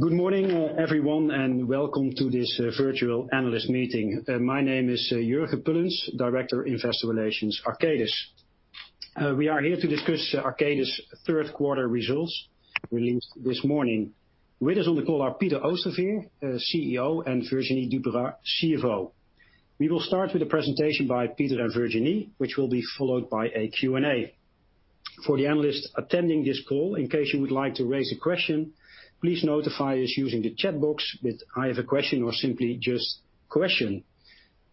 Good morning, everyone, and welcome to this virtual analyst meeting. My name is Jurgen Pullens, Director Investor Relations, Arcadis. We are here to discuss Arcadis' third quarter results released this morning. With us on the call are Peter Oosterveer, CEO, and Virginie Duperat-Vergne, CFO. We will start with a presentation by Peter and Virginie, which will be followed by a Q&A. For the analysts attending this call, in case you would like to raise a question, please notify us using the chat box with, "I have a question," or simply just, "Question."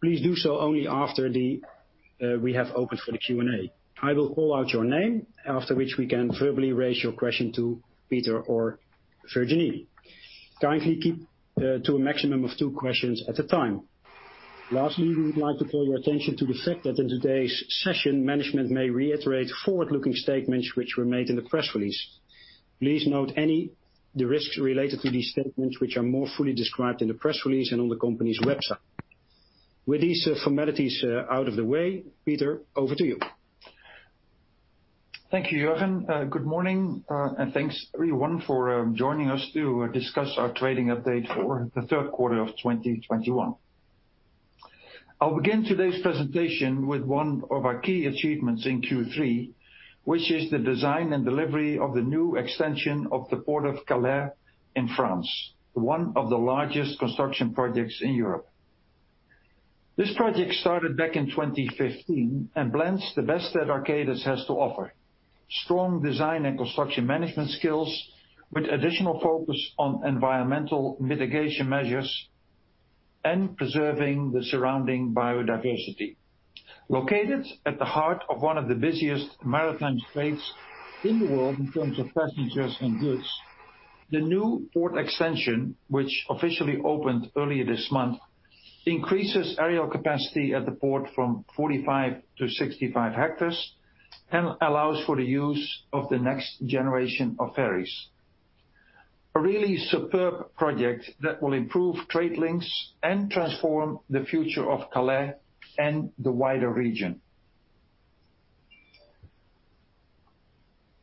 Please do so only after we have opened for the Q&A. I will call out your name, after which we can verbally raise your question to Peter or Virginie. Kindly keep to a maximum of two questions at a time. Lastly, we would like to call your attention to the fact that in today's session, management may reiterate forward-looking statements which were made in the press release. Please note the risks related to these statements which are more fully described in the press release and on the company's website. With these formalities out of the way, Peter, over to you. Thank you, Jurgen. Good morning, and thanks everyone for joining us to discuss our trading update for the third quarter of 2021. I'll begin today's presentation with one of our key achievements in Q3, which is the design and delivery of the new extension of the Port of Calais in France, one of the largest construction projects in Europe. This project started back in 2015 and blends the best that Arcadis has to offer, strong design and construction management skills with additional focus on environmental mitigation measures and preserving the surrounding biodiversity. Located at the heart of one of the busiest maritime straits in the world in terms of passengers and goods, the new port extension, which officially opened earlier this month, increases area capacity at the port from 45 to 65 hectares and allows for the use of the next generation of ferries. A really superb project that will improve trade links and transform the future of Calais and the wider region.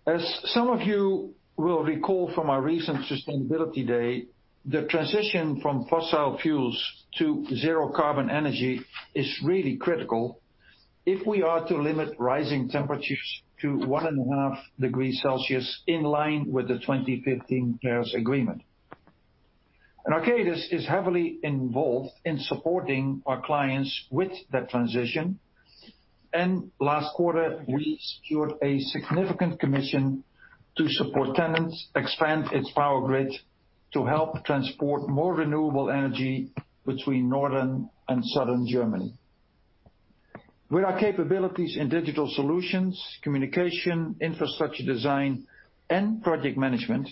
As some of you will recall from our recent Sustainability Day, the transition from fossil fuels to zero carbon energy is really critical if we are to limit rising temperatures to 1.5 degrees Celsius in line with the 2015 Paris Agreement. Arcadis is heavily involved in supporting our clients with that transition. Last quarter, we secured a significant commission to support TenneT expand its power grid to help transport more renewable energy between northern and southern Germany. With our capabilities in digital solutions, communication, infrastructure design, and project management,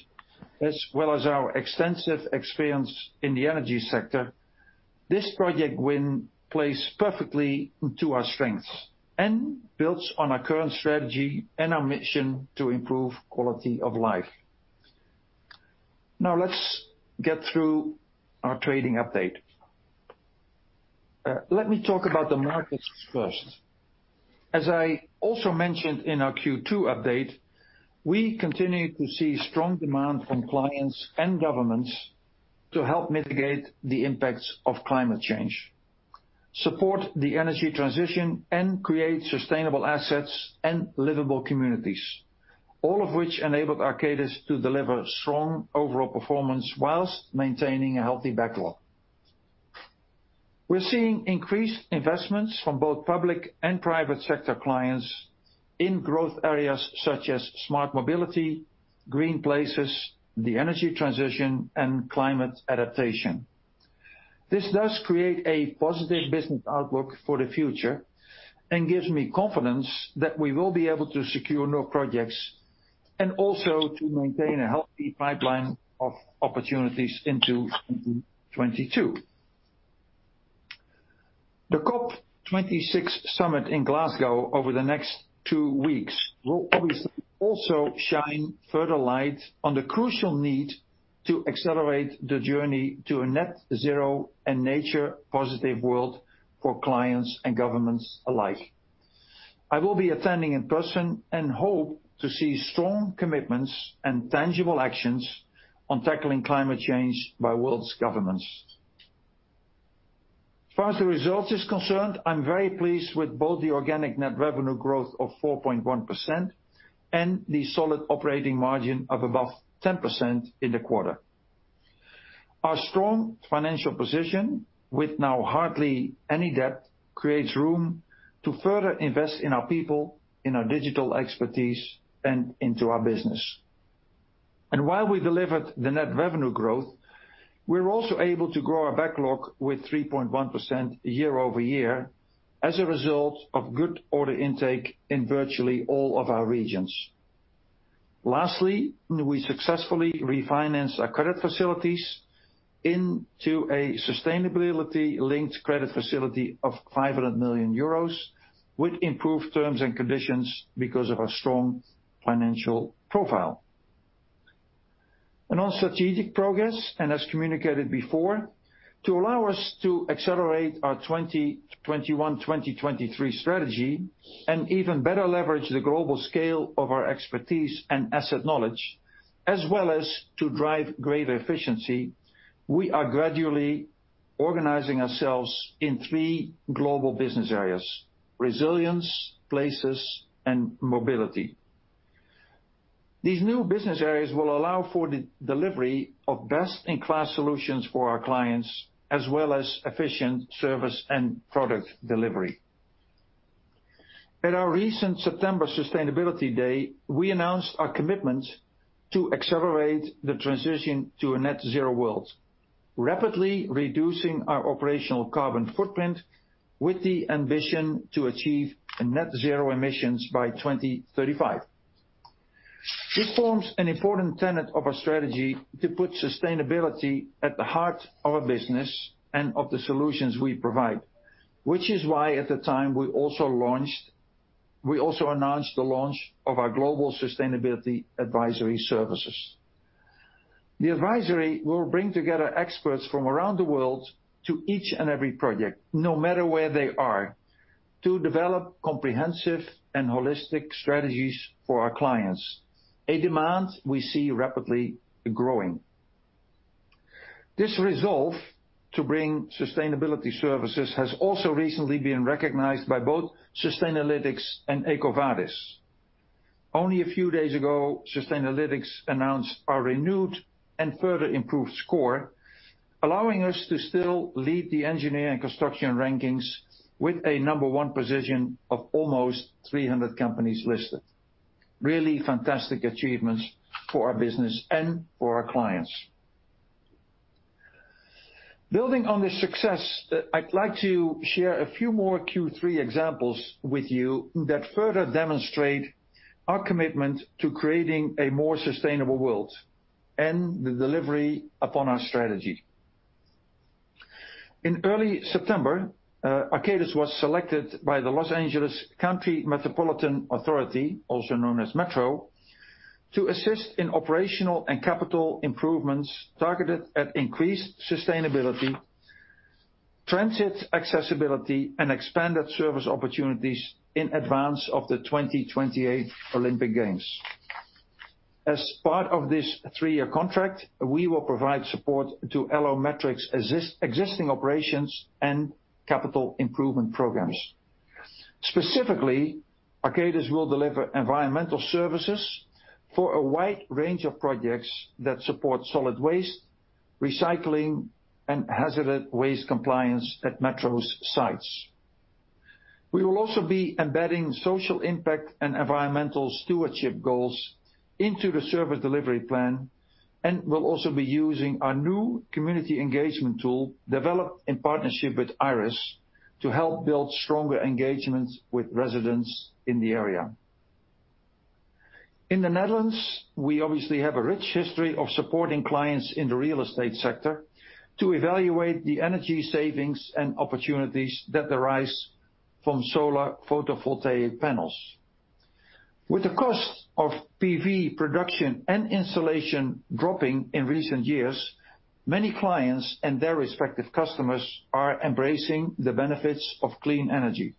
as well as our extensive experience in the energy sector, this project win plays perfectly to our strengths and builds on our current strategy and our mission to improve quality of life. Now, let's get through our trading update. Let me talk about the markets first. As I also mentioned in our Q2 update, we continue to see strong demand from clients and governments to help mitigate the impacts of climate change, support the energy transition, and create sustainable assets and livable communities, all of which enabled Arcadis to deliver strong overall performance whilst maintaining a healthy backlog. We're seeing increased investments from both public and private sector clients in growth areas such as smart mobility, green places, the energy transition, and climate adaptation. This does create a positive business outlook for the future and gives me confidence that we will be able to secure more projects and also to maintain a healthy pipeline of opportunities into 2022. The COP26 summit in Glasgow over the next two weeks will obviously also shine further light on the crucial need to accelerate the journey to a net zero and nature positive world for clients and governments alike. I will be attending in person and hope to see strong commitments and tangible actions on tackling climate change by world's governments. As far as the result is concerned, I'm very pleased with both the organic net revenue growth of 4.1% and the solid operating margin of above 10% in the quarter. Our strong financial position with now hardly any debt creates room to further invest in our people, in our digital expertise, and into our business. While we delivered the net revenue growth, we're also able to grow our backlog with 3.1% year-over-year as a result of good order intake in virtually all of our regions. Lastly, we successfully refinanced our credit facilities into a sustainability-linked credit facility of 500 million euros with improved terms and conditions because of our strong financial profile. On strategic progress, as communicated before, to allow us to accelerate our 2021-2023 strategy and even better leverage the global scale of our expertise and asset knowledge, as well as to drive greater efficiency, we are gradually reorganizing ourselves in three global business areas. Resilience, Places, and Mobility. These new business areas will allow for the delivery of best-in-class solutions for our clients, as well as efficient service and product delivery. At our recent September Sustainability Day, we announced our commitment to accelerate the transition to a net zero world, rapidly reducing our operational carbon footprint with the ambition to achieve net zero emissions by 2035. This forms an important tenet of our strategy to put sustainability at the heart of our business and of the solutions we provide. Which is why, at the time, we also announced the launch of our global sustainability advisory services. The advisory will bring together experts from around the world to each and every project, no matter where they are, to develop comprehensive and holistic strategies for our clients. A demand we see rapidly growing. This resolve to bring sustainability services has also recently been recognized by both Sustainalytics and EcoVadis. Only a few days ago, Sustainalytics announced our renewed and further improved score, allowing us to still lead the engineering and construction rankings with a number one position of almost 300 companies listed. Really fantastic achievements for our business and for our clients. Building on this success, I'd like to share a few more Q3 examples with you that further demonstrate our commitment to creating a more sustainable world and the delivery upon our strategy. In early September, Arcadis was selected by the Los Angeles County Metropolitan Transportation Authority, also known as Metro, to assist in operational and capital improvements targeted at increased sustainability, transit accessibility, and expanded service opportunities in advance of the 2028 Olympic Games. As part of this three-year contract, we will provide support to LA Metro's existing operations and capital improvement programs. Specifically, Arcadis will deliver environmental services for a wide range of projects that support solid waste, recycling, and hazardous waste compliance at Metro's sites. We will also be embedding social impact and environmental stewardship goals into the service delivery plan and will also be using our new community engagement tool developed in partnership with Irys to help build stronger engagement with residents in the area. In the Netherlands, we obviously have a rich history of supporting clients in the real estate sector to evaluate the energy savings and opportunities that arise from solar photovoltaic panels. With the cost of PV production and installation dropping in recent years, many clients and their respective customers are embracing the benefits of clean energy.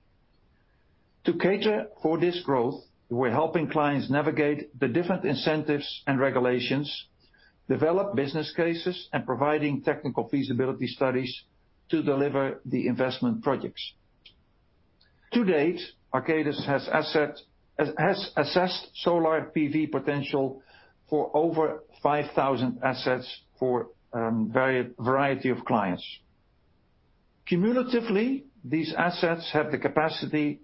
To cater for this growth, we're helping clients navigate the different incentives and regulations, develop business cases, and providing technical feasibility studies to deliver the investment projects. To date, Arcadis has assessed solar PV potential for over 5,000 assets for variety of clients. Cumulatively, these assets have the capacity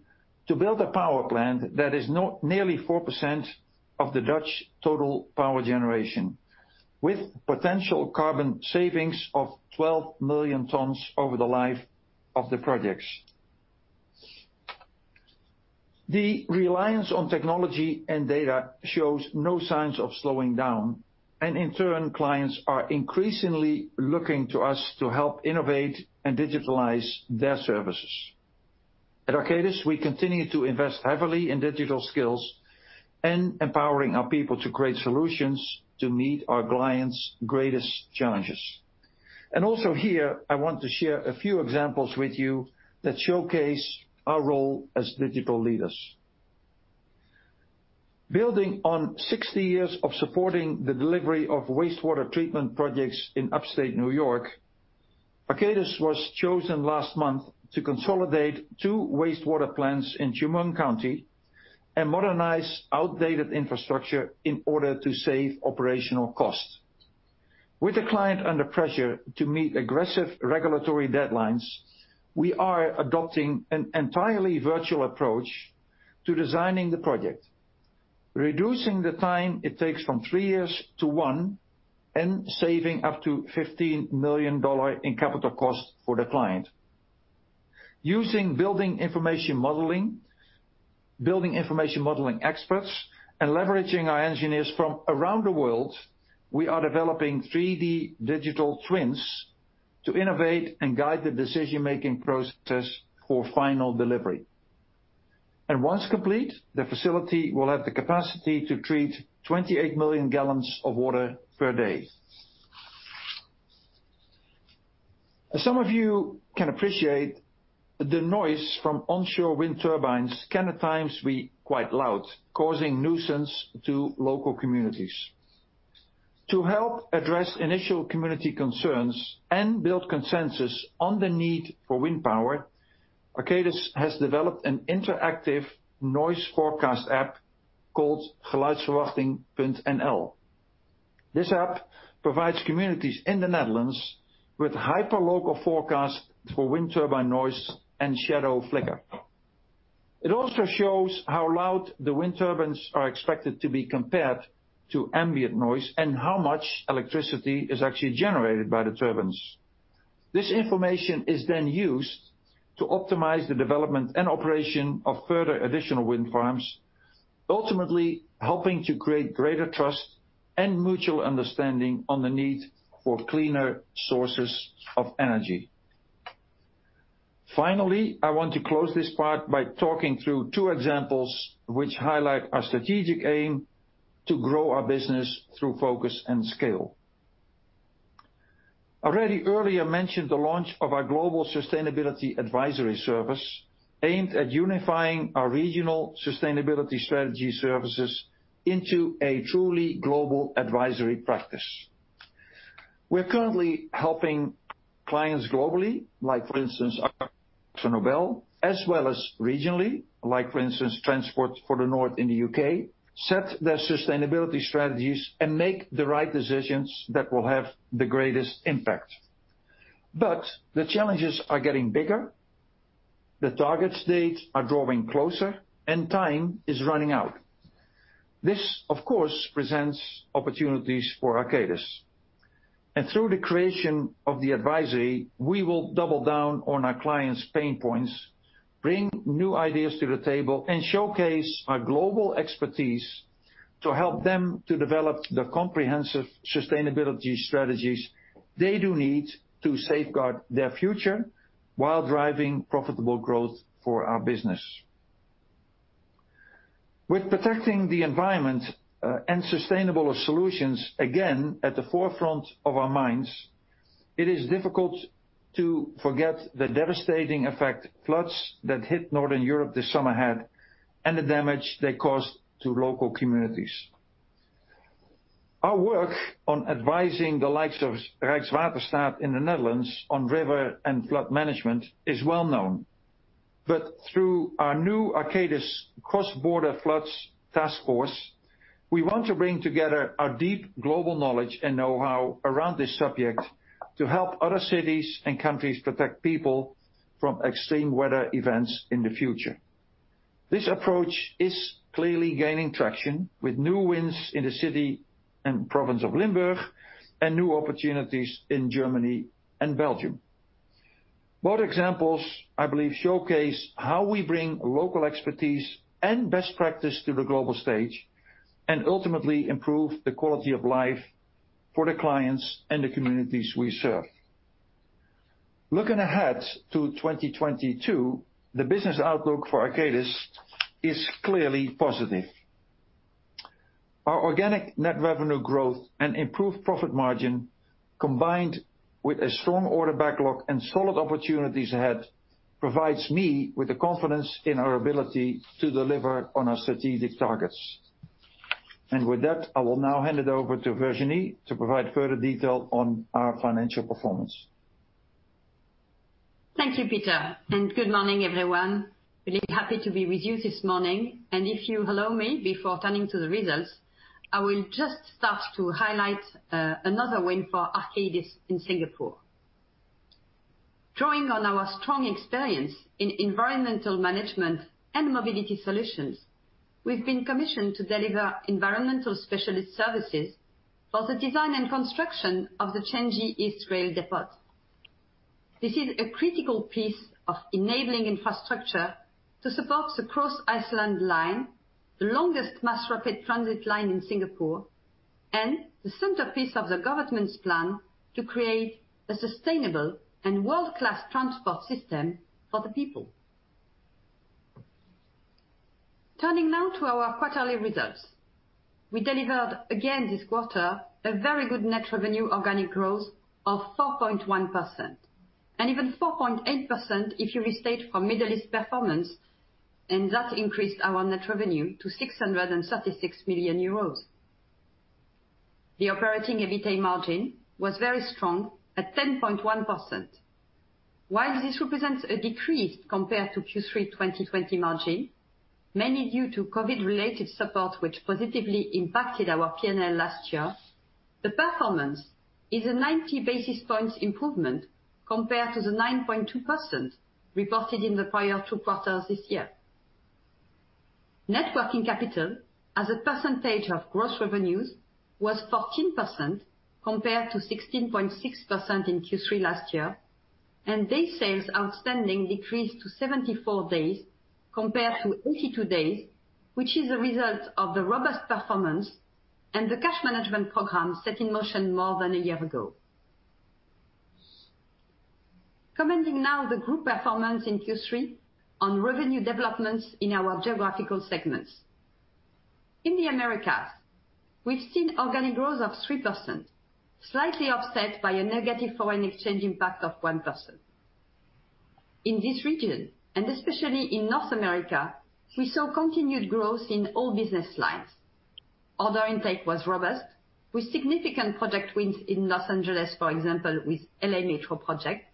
to build a power plant that is nearly 4% of the Dutch total power generation, with potential carbon savings of 12 million tons over the life of the projects. The reliance on technology and data shows no signs of slowing down, and in turn, clients are increasingly looking to us to help innovate and digitalize their services. At Arcadis, we continue to invest heavily in digital skills and empowering our people to create solutions to meet our clients' greatest challenges. Also here, I want to share a few examples with you that showcase our role as digital leaders. Building on 60 years of supporting the delivery of wastewater treatment projects in Upstate New York, Arcadis was chosen last month to consolidate two wastewater plants in Chemung County and modernize outdated infrastructure in order to save operational costs. With the client under pressure to meet aggressive regulatory deadlines, we are adopting an entirely virtual approach to designing the project, reducing the time it takes from three years to one, and saving up to $15 million in capital costs for the client. Using building information modeling, building information modeling experts, and leveraging our engineers from around the world, we are developing 3D digital twins to innovate and guide the decision-making process for final delivery. Once complete, the facility will have the capacity to treat 28 million gallons of water per day. As some of you can appreciate, the noise from onshore wind turbines can at times be quite loud, causing nuisance to local communities. To help address initial community concerns and build consensus on the need for wind power, Arcadis has developed an interactive noise forecast app called Geluidsverwachting.nl. This app provides communities in the Netherlands with hyper-local forecasts for wind turbine noise and shadow flicker. It also shows how loud the wind turbines are expected to be compared to ambient noise and how much electricity is actually generated by the turbines. This information is then used to optimize the development and operation of further additional wind farms, ultimately helping to create greater trust and mutual understanding on the need for cleaner sources of energy. Finally, I want to close this part by talking through two examples which highlight our strategic aim to grow our business through focus and scale. Already earlier mentioned the launch of our global sustainability advisory service aimed at unifying our regional sustainability strategy services into a truly global advisory practice. We're currently helping clients globally, like for instance, AkzoNobel, as well as regionally, like for instance, Transport for the North in the U.K., set their sustainability strategies and make the right decisions that will have the greatest impact. The challenges are getting bigger. The target dates are drawing closer, and time is running out. This, of course, presents opportunities for Arcadis. Through the creation of the advisory, we will double down on our clients' pain points, bring new ideas to the table, and showcase our global expertise to help them to develop the comprehensive sustainability strategies they do need to safeguard their future while driving profitable growth for our business. With protecting the environment, and sustainable solutions again at the forefront of our minds, it is difficult to forget the devastating effect floods that hit Northern Europe this summer had and the damage they caused to local communities. Our work on advising the likes of Rijkswaterstaat in the Netherlands on river and flood management is well known. Through our new Arcadis Cross-Border Floods Task Force, we want to bring together our deep global knowledge and know-how around this subject to help other cities and countries protect people from extreme weather events in the future. This approach is clearly gaining traction with new wins in the city and province of Limburg and new opportunities in Germany and Belgium. Both examples, I believe, showcase how we bring local expertise and best practice to the global stage and ultimately improve the quality of life for the clients and the communities we serve. Looking ahead to 2022, the business outlook for Arcadis is clearly positive. Our organic net revenue growth and improved profit margin, combined with a strong order backlog and solid opportunities ahead, provides me with the confidence in our ability to deliver on our strategic targets. With that, I will now hand it over to Virginie to provide further detail on our financial performance. Thank you, Peter, and good morning, everyone. Really happy to be with you this morning. If you allow me, before turning to the results, I will just start to highlight another win for Arcadis in Singapore. Drawing on our strong experience in environmental management and mobility solutions, we've been commissioned to deliver environmental specialist services for the design and construction of the Changi East Rail Depot. This is a critical piece of enabling infrastructure to support the Cross Island Line, the longest mass rapid transit line in Singapore, and the centerpiece of the government's plan to create a sustainable and world-class transport system for the people. Turning now to our quarterly results. We delivered again this quarter a very good net revenue organic growth of 4.1%, and even 4.8% if you restate for Middle East performance, and that increased our net revenue to 636 million euros. The operating EBITA margin was very strong at 10.1%. While this represents a decrease compared to Q3 2020 margin, mainly due to COVID-related support which positively impacted our P&L last year, the performance is a 90 basis points improvement compared to the 9.2% reported in the prior two quarters this year. Net working capital as a percentage of gross revenues was 14% compared to 16.6% in Q3 last year, and days sales outstanding decreased to 74 days compared to 82 days, which is a result of the robust performance and the cash management program set in motion more than a year ago. Commenting now on the group performance in Q3 on revenue developments in our geographical segments. In the Americas, we've seen organic growth of 3%, slightly offset by a negative foreign exchange impact of 1%. In this region, and especially in North America, we saw continued growth in all business lines. Order intake was robust, with significant project wins in Los Angeles, for example, with LA Metro project,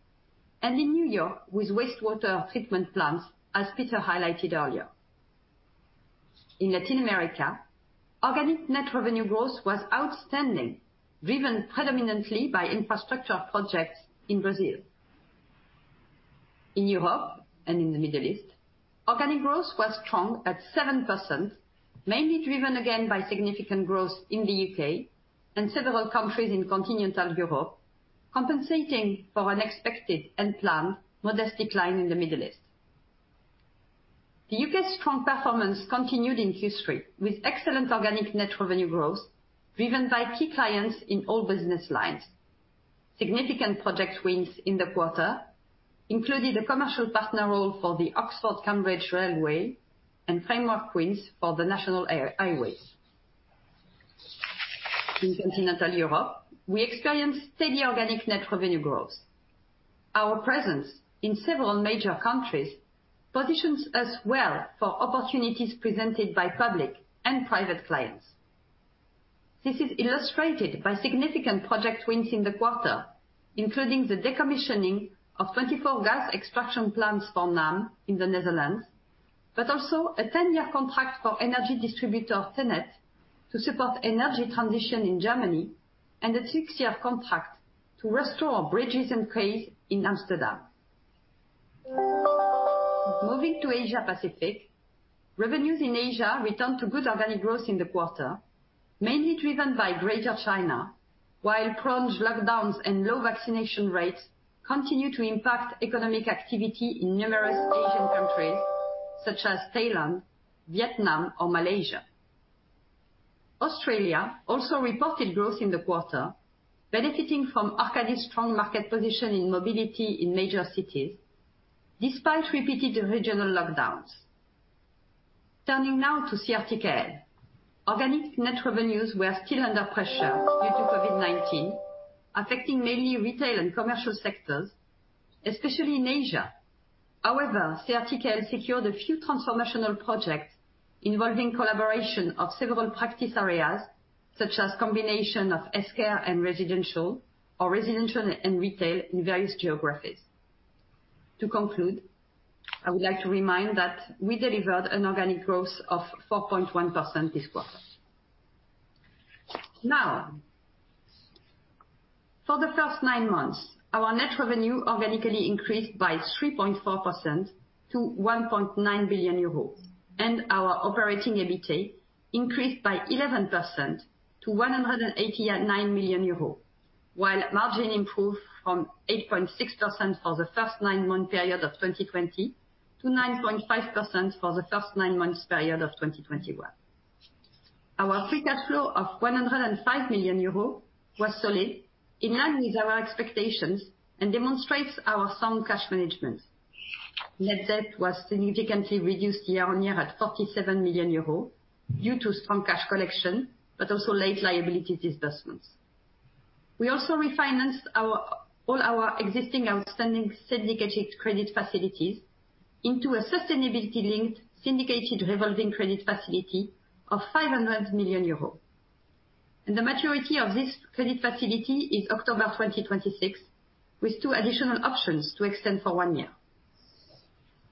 and in New York with wastewater treatment plants, as Peter highlighted earlier. In Latin America, organic net revenue growth was outstanding, driven predominantly by infrastructure projects in Brazil. In Europe and in the Middle East, organic growth was strong at 7%, mainly driven again by significant growth in the U.K. and several countries in continental Europe, compensating for unexpected and planned modest decline in the Middle East. The UK's strong performance continued in Q3, with excellent organic net revenue growth, driven by key clients in all business lines. Significant project wins in the quarter included a commercial partner role for the Oxford-Cambridge railway and framework wins for the National Highways. In continental Europe, we experienced steady organic net revenue growth. Our presence in several major countries positions us well for opportunities presented by public and private clients. This is illustrated by significant project wins in the quarter, including the decommissioning of 24 gas extraction plants for NAM in the Netherlands, but also a 10-year contract for energy distributor TenneT to support energy transition in Germany, and a six year contract to restore bridges and quays in Amsterdam. Moving to Asia Pacific, revenues in Asia returned to good organic growth in the quarter, mainly driven by Greater China, while prolonged lockdowns and low vaccination rates continue to impact economic activity in numerous Asian countries such as Thailand, Vietnam, or Malaysia. Australia also reported growth in the quarter, benefiting from Arcadis's strong market position in mobility in major cities, despite repeated regional lockdowns. Turning now to CRTKL. Organic net revenues were still under pressure due to COVID-19, affecting mainly retail and commercial sectors, especially in Asia. However, CRTKL secured a few transformational projects involving collaboration of several practice areas, such as combination of healthcare and residential, or residential and retail in various geographies. To conclude, I would like to remind that we delivered an organic growth of 4.1% this quarter. Now, for the first nine months, our net revenue organically increased by 3.4% to 1.9 billion euros. Our operating EBITA increased by 11% to 189 million euros, while margin improved from 8.6% for the first nine-month period of 2020 to 9.5% for the first nine-month period of 2021. Our free cash flow of 105 million euros was solid, in line with our expectations, and demonstrates our sound cash management. Net debt was significantly reduced year on year at 47 million euros due to strong cash collection, but also late liability disbursements. We also refinanced all our existing outstanding syndicated credit facilities into a sustainability-linked syndicated revolving credit facility of 500 million euros. The maturity of this credit facility is October 2026, with two additional options to extend for one year.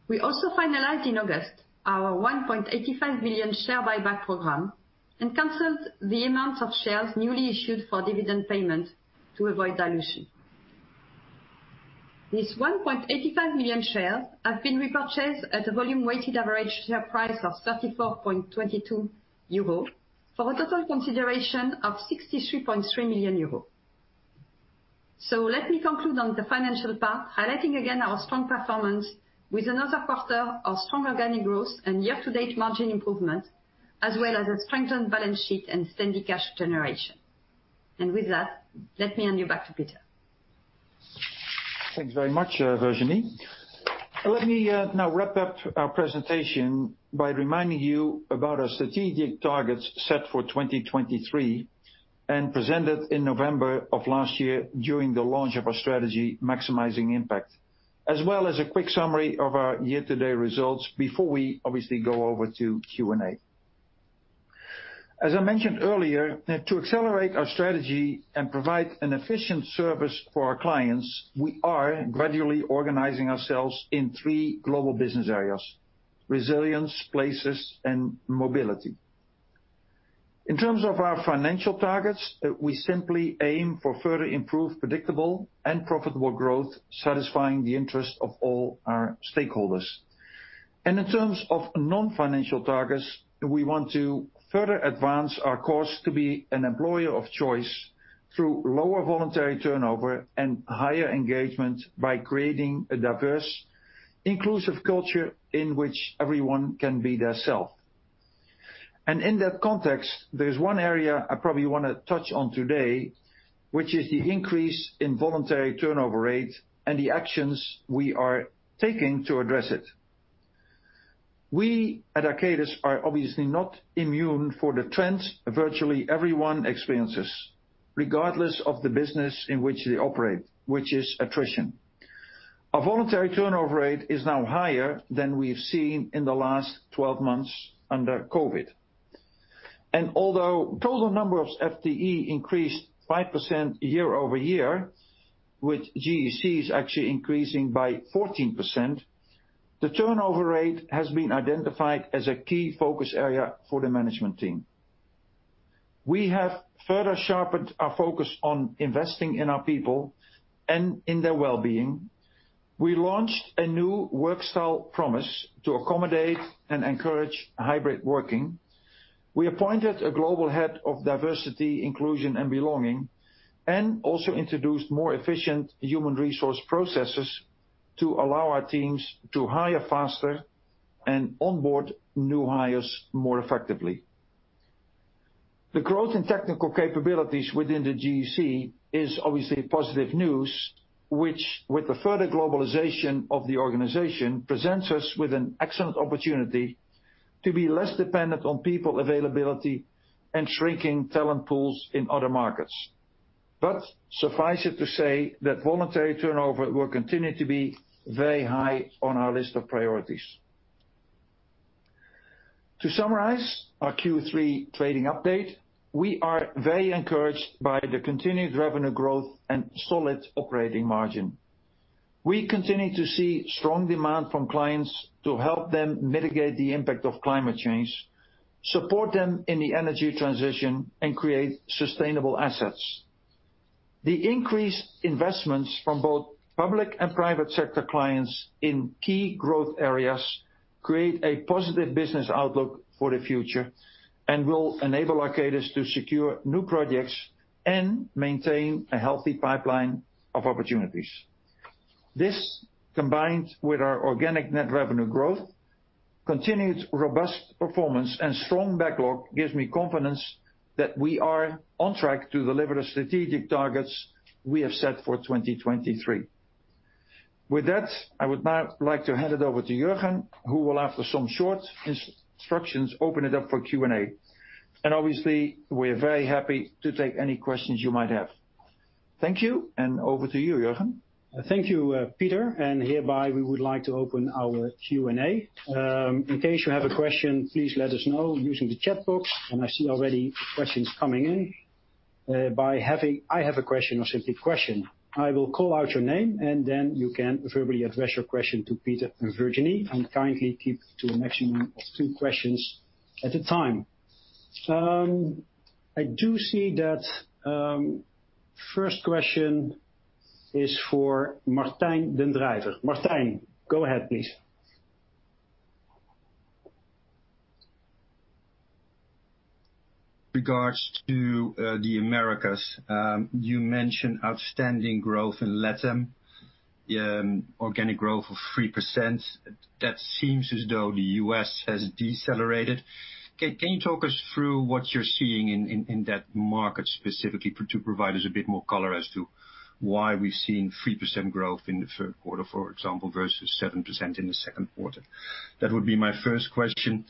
We also finalized in August our 1.85 million share buyback program, and canceled the amount of shares newly issued for dividend payment to avoid dilution. These 1.85 million shares have been repurchased at a volume weighted average share price of 34.22 euro, for a total consideration of 63.3 million euro. Let me conclude on the financial part, highlighting again our strong performance with another quarter of strong organic growth and year to date margin improvement, as well as a strengthened balance sheet and steady cash generation. With that, let me hand you back to Peter. Thanks very much, Virginie. Let me now wrap up our presentation by reminding you about our strategic targets set for 2023, and presented in November of last year during the launch of our strategy, Maximizing Impact, as well as a quick summary of our year-to-date results before we obviously go over to Q&A. As I mentioned earlier, to accelerate our strategy and provide an efficient service for our clients, we are gradually organizing ourselves in three global business areas, Resilience, Places, and Mobility. In terms of our financial targets, we simply aim for further improved, predictable, and profitable growth, satisfying the interests of all our stakeholders. In terms of non-financial targets, we want to further advance our course to be an employer of choice through lower voluntary turnover and higher engagement by creating a diverse, inclusive culture in which everyone can be their self. In that context, there's one area I probably wanna touch on today, which is the increase in voluntary turnover rate and the actions we are taking to address it. We at Arcadis are obviously not immune for the trends virtually everyone experiences, regardless of the business in which they operate, which is attrition. Our voluntary turnover rate is now higher than we've seen in the last 12 months under COVID. Although total number of FTE increased 5% year-over-year, with GEC is actually increasing by 14%, the turnover rate has been identified as a key focus area for the management team. We have further sharpened our focus on investing in our people and in their well-being. We launched a new work style promise to accommodate and encourage hybrid working. We appointed a global head of diversity, inclusion, and belonging, and also introduced more efficient human resource processes to allow our teams to hire faster and onboard new hires more effectively. The growth in technical capabilities within the GEC is obviously positive news, which with the further globalization of the organization, presents us with an excellent opportunity to be less dependent on people availability and shrinking talent pools in other markets. Suffice it to say that voluntary turnover will continue to be very high on our list of priorities. To summarize our Q3 trading update, we are very encouraged by the continued revenue growth and solid operating margin. We continue to see strong demand from clients to help them mitigate the impact of climate change, support them in the energy transition, and create sustainable assets. The increased investments from both public and private sector clients in key growth areas create a positive business outlook for the future, and will enable Arcadis to secure new projects and maintain a healthy pipeline of opportunities. This, combined with our organic net revenue growth, continued robust performance, and strong backlog, gives me confidence that we are on track to deliver the strategic targets we have set for 2023. With that, I would now like to hand it over to Jurgen, who will, after some short instructions, open it up for Q&A. Obviously, we're very happy to take any questions you might have. Thank you, and over to you, Jurgen. Thank you, Peter. Hereby, we would like to open our Q&A. In case you have a question, please let us know using the chat box, and I see already questions coming in. If you have a question or simply question, I will call out your name, and then you can verbally address your question to Peter and Virginie, and kindly keep to a maximum of two questions at a time. I do see that first question is for Martijn den Drijver. Martijn, go ahead, please. regards to the Americas, you mentioned outstanding growth in LATAM, organic growth of 3%. That seems as though the U.S. has decelerated. Can you talk us through what you're seeing in that market specifically to provide us a bit more color as to why we're seeing 3% growth in the third quarter, for example, versus 7% in the second quarter? That would be my first question.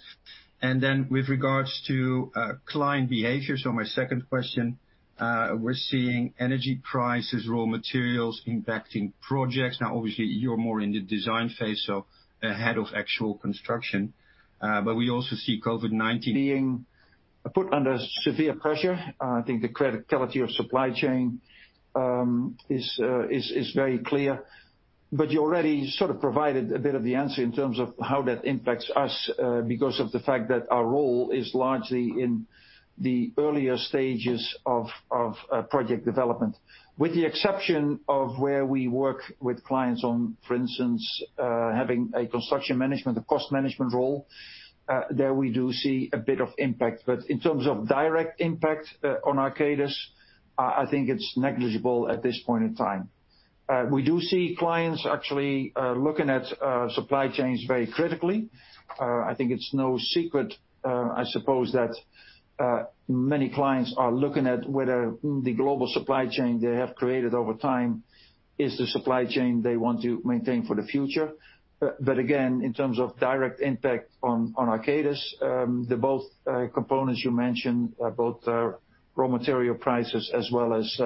With regards to client behavior, my second question, we're seeing energy prices, raw materials impacting projects. Now, obviously you're more in the design phase, so ahead of actual construction. But we also see COVID-19 being- Put under severe pressure. I think the credibility of supply chain is very clear. You already sort of provided a bit of the answer in terms of how that impacts us, because of the fact that our role is largely in the earlier stages of project development. With the exception of where we work with clients on, for instance, having a construction management, a cost management role, there we do see a bit of impact. In terms of direct impact on Arcadis, I think it's negligible at this point in time. We do see clients actually looking at supply chains very critically. I think it's no secret. I suppose that many clients are looking at whether the global supply chain they have created over time is the supply chain they want to maintain for the future. Again, in terms of direct impact on Arcadis, both components you mentioned, raw material prices as well as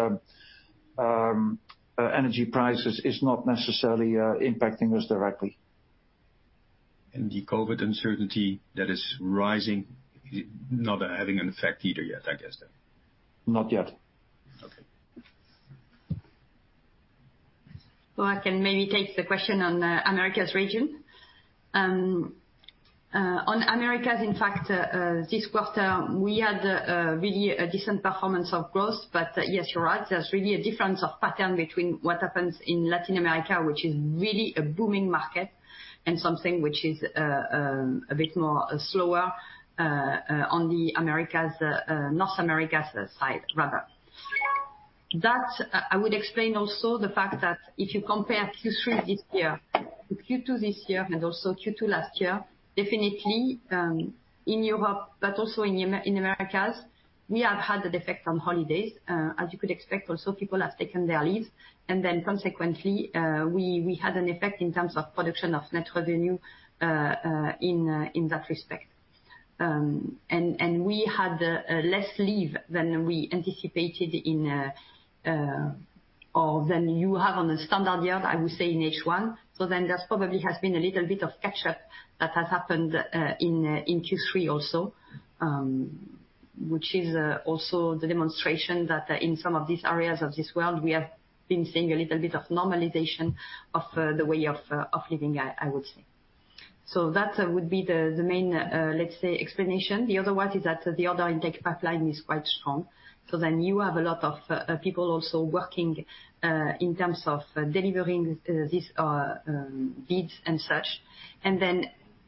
energy prices, is not necessarily impacting us directly. The COVID uncertainty that is rising not having an effect either yet, I guess then? Not yet. Okay. I can maybe take the question on Americas region. On Americas, in fact, this quarter, we had really a decent performance of growth. Yes, you're right, there's really a difference of pattern between what happens in Latin America, which is really a booming market, and something which is a bit more slower on the Americas North America side rather. That I would explain also the fact that if you compare Q3 this year to Q2 this year and also Q2 last year, definitely in Europe but also in Americas, we have had an effect on holidays. As you could expect also, people have taken their leave. Consequently, we had an effect in terms of production of net revenue in that respect. We had less leave than we anticipated or than you have on a standard year, I would say in H1. There's probably been a little bit of catch-up that has happened in Q3 also, which is also the demonstration that in some of these areas of this world, we have been seeing a little bit of normalization of the way of living, I would say. That would be the main, let's say, explanation. The other one is that the order intake pipeline is quite strong. You have a lot of people also working in terms of delivering these bids and such.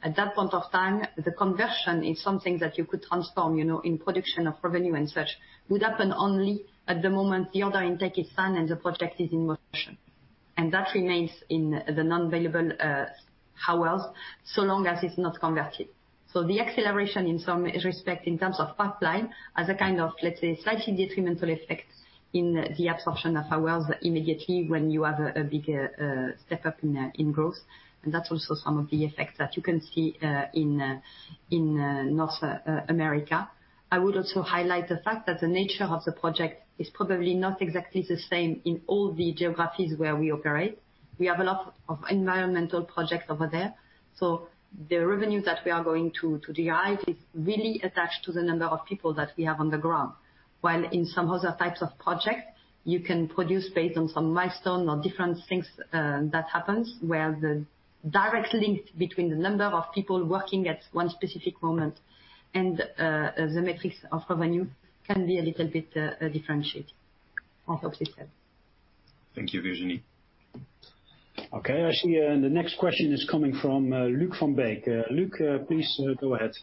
At that point of time, the conversion is something that you could transform, you know, in production of revenue and such, would happen only at the moment the order intake is signed and the project is in motion. That remains in the non-billable hours, so long as it's not converted. The acceleration in some respect in terms of pipeline has a kind of, let's say, slightly detrimental effect in the absorption of hours immediately when you have a big step up in growth. That's also some of the effects that you can see in North America. I would also highlight the fact that the nature of the project is probably not exactly the same in all the geographies where we operate. We have a lot of environmental projects over there. The revenue that we are going to derive is really attached to the number of people that we have on the ground. While in some other types of projects, you can produce based on some milestone or different things that happens, where the direct link between the number of people working at one specific moment and the metrics of revenue can be a little bit differentiated. I hope this helps. Thank you, Virginie. Okay. I see, the next question is coming from Luuk van Beek. Luuk, please, go ahead.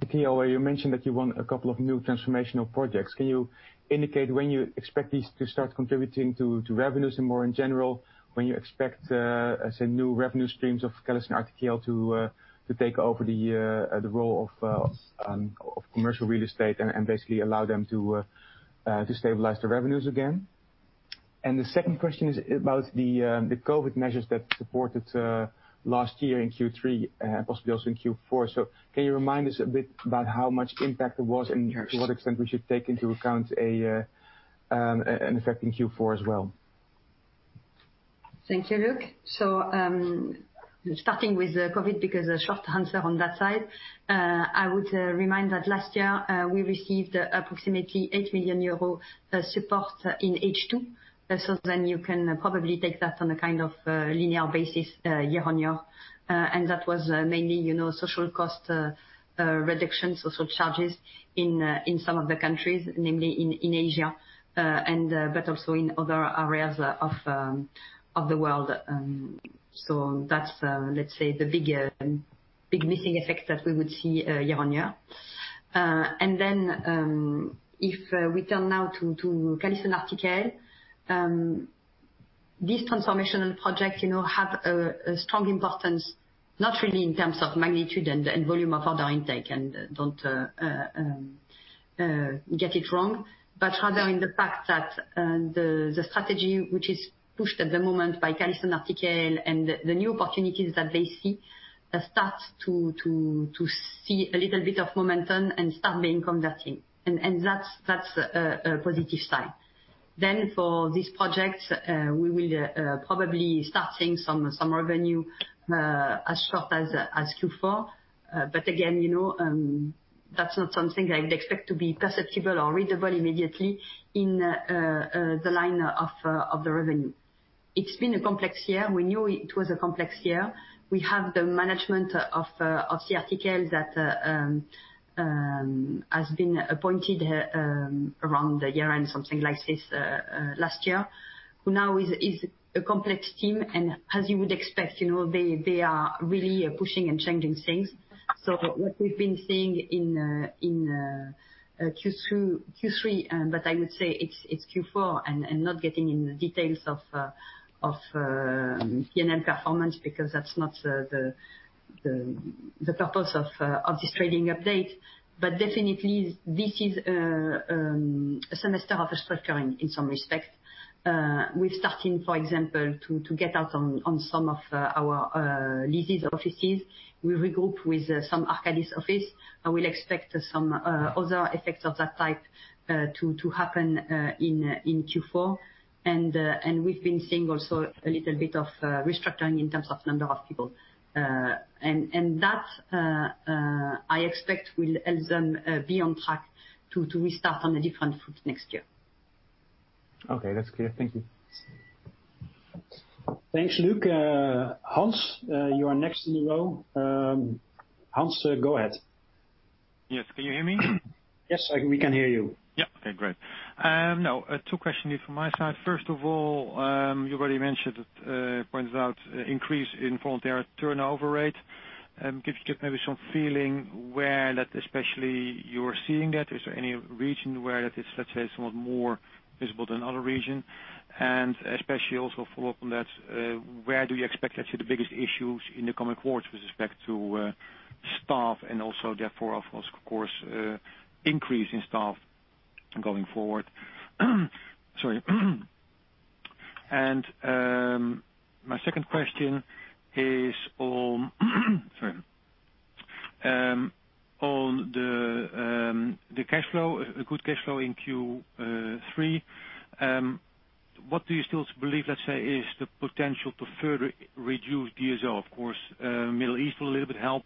Luuk here. You mentioned that you won a couple of new transformational projects. Can you indicate when you expect these to start contributing to revenues and more in general, when you expect, say, new revenue streams of CallisonRTKL to take over the role of commercial real estate and basically allow them to stabilize the revenues again? The second question is about the COVID measures that supported last year in Q3, possibly also in Q4. Can you remind us a bit about how much impact it was and to what extent we should take into account an effect in Q4 as well? Thank you, Luuk. Starting with COVID, because a short answer on that side, I would remind that last year we received approximately 8 million euro support in H2. You can probably take that on a kind of linear basis year-on-year. That was mainly, you know, social cost reduction, social charges in some of the countries, namely in Asia, but also in other areas of the world. That's, let's say, the big missing effect that we would see year-on-year. If we turn now to CallisonRTKL, these transformational projects, you know, have a strong importance, not really in terms of magnitude and volume of order intake, and don't get it wrong, but rather in the fact that the strategy which is pushed at the moment by CallisonRTKL and the new opportunities that they see start to see a little bit of momentum and start being converted. That's a positive sign. For these projects, we will probably start seeing some revenue as short as Q4. But again, you know, that's not something I'd expect to be perceptible or readable immediately in the line of the revenue. It's been a complex year. We knew it was a complex year. We have the management of CRTKL that has been appointed around the year-end, something like this, last year, who now is a complex team. As you would expect, you know, they are really pushing and changing things. What we've been seeing in Q2, Q3, but I would say it's Q4, and not getting in the details of P&L performance because that's not the purpose of this trading update. Definitely this is a semester of restructuring in some respects. We've started, for example, to get out on some of our leased offices. We regroup with some Arcadis office. I will expect some other effects of that type to happen in Q4. We've been seeing also a little bit of restructuring in terms of number of people. That I expect will then be on track to restart on a different foot next year. Okay. That's clear. Thank you. Thanks, Luuk. Hans, you are next in the row. Hans, go ahead. Yes. Can you hear me? Yes. We can hear you. Yeah. Okay, great. Now, two questions from my side. First of all, you already mentioned, pointed out increase in voluntary turnover rate. Can you give maybe some feeling where that especially you're seeing that? Is there any region where that is, let's say, somewhat more visible than other region? And especially also follow up on that, where do you expect, let's say, the biggest issues in the coming quarters with respect to staff and also therefore, of course, increase in staff going forward? Sorry. My second question is on the cash flow, a good cash flow in Q3. What do you still believe, let's say, is the potential to further reduce DSO? Of course, Middle East will a little bit help,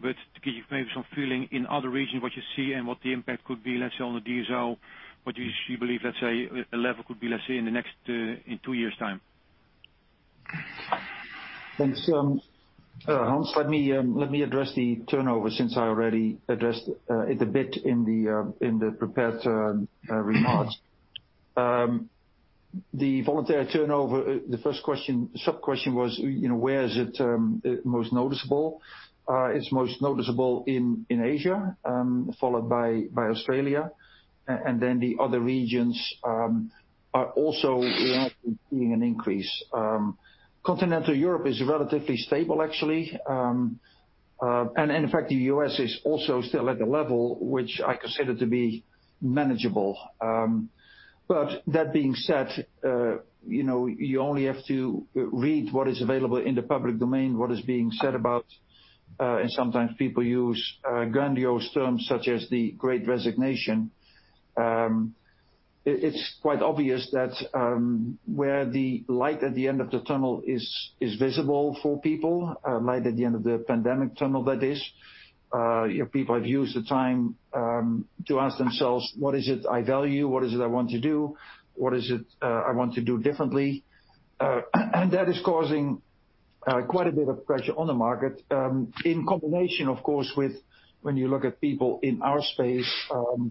but to give maybe some feeling in other regions, what you see and what the impact could be, let's say, on the DSO. What do you believe, let's say, a level could be, let's say, in the next, in two years time. Thanks, Hans, let me address the turnover since I already addressed it a bit in the prepared remarks. The voluntary turnover, the first sub-question was, you know, where is it most noticeable? It's most noticeable in Asia, followed by Australia, and then the other regions are also actually seeing an increase. Continental Europe is relatively stable, actually. In fact, the U.S. is also still at a level which I consider to be manageable. That being said, you know, you only have to read what is available in the public domain, what is being said about, and sometimes people use grandiose terms such as the Great Resignation. It's quite obvious that where the light at the end of the tunnel is visible for people, light at the end of the pandemic tunnel that is. People have used the time to ask themselves, "What is it I value? What is it I want to do? What is it I want to do differently?" That is causing quite a bit of pressure on the market, in combination, of course, with when you look at people in our space,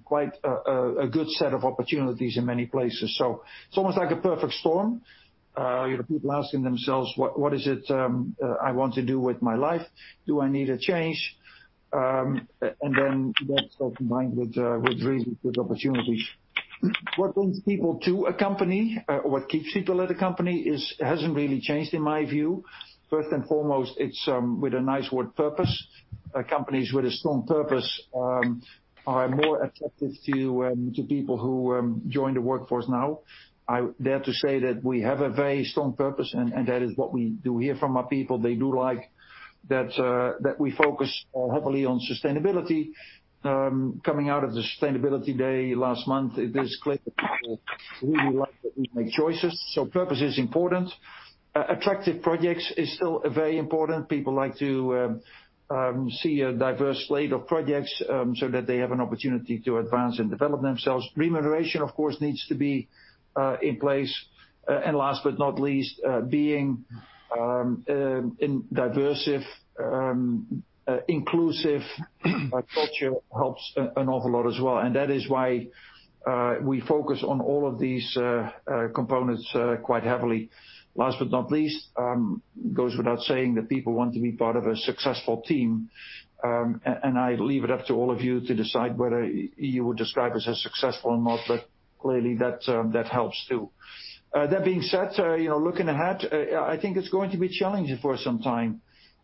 quite a good set of opportunities in many places. It's almost like a perfect storm. You have people asking themselves, "What is it I want to do with my life? Do I need a change?" That's also combined with really good opportunities. What brings people to a company, what keeps people at a company hasn't really changed in my view. First and foremost, it's, with a nice word, purpose. Companies with a strong purpose are more attractive to people who join the workforce now. I dare to say that we have a very strong purpose, and that is what we do hear from our people. They do like that we focus heavily on sustainability. Coming out of the Sustainability Day last month, it is clear that people really like that we make choices, so purpose is important. Attractive projects is still very important. People like to see a diverse slate of projects, so that they have an opportunity to advance and develop themselves. Remuneration, of course, needs to be in place. Last but not least, being a diverse, inclusive culture helps an awful lot as well. That is why we focus on all of these components quite heavily. Last but not least, goes without saying that people want to be part of a successful team. I leave it up to all of you to decide whether you would describe us as successful or not, but clearly that helps too. That being said, you know, looking ahead, I think it's going to be challenging for some time.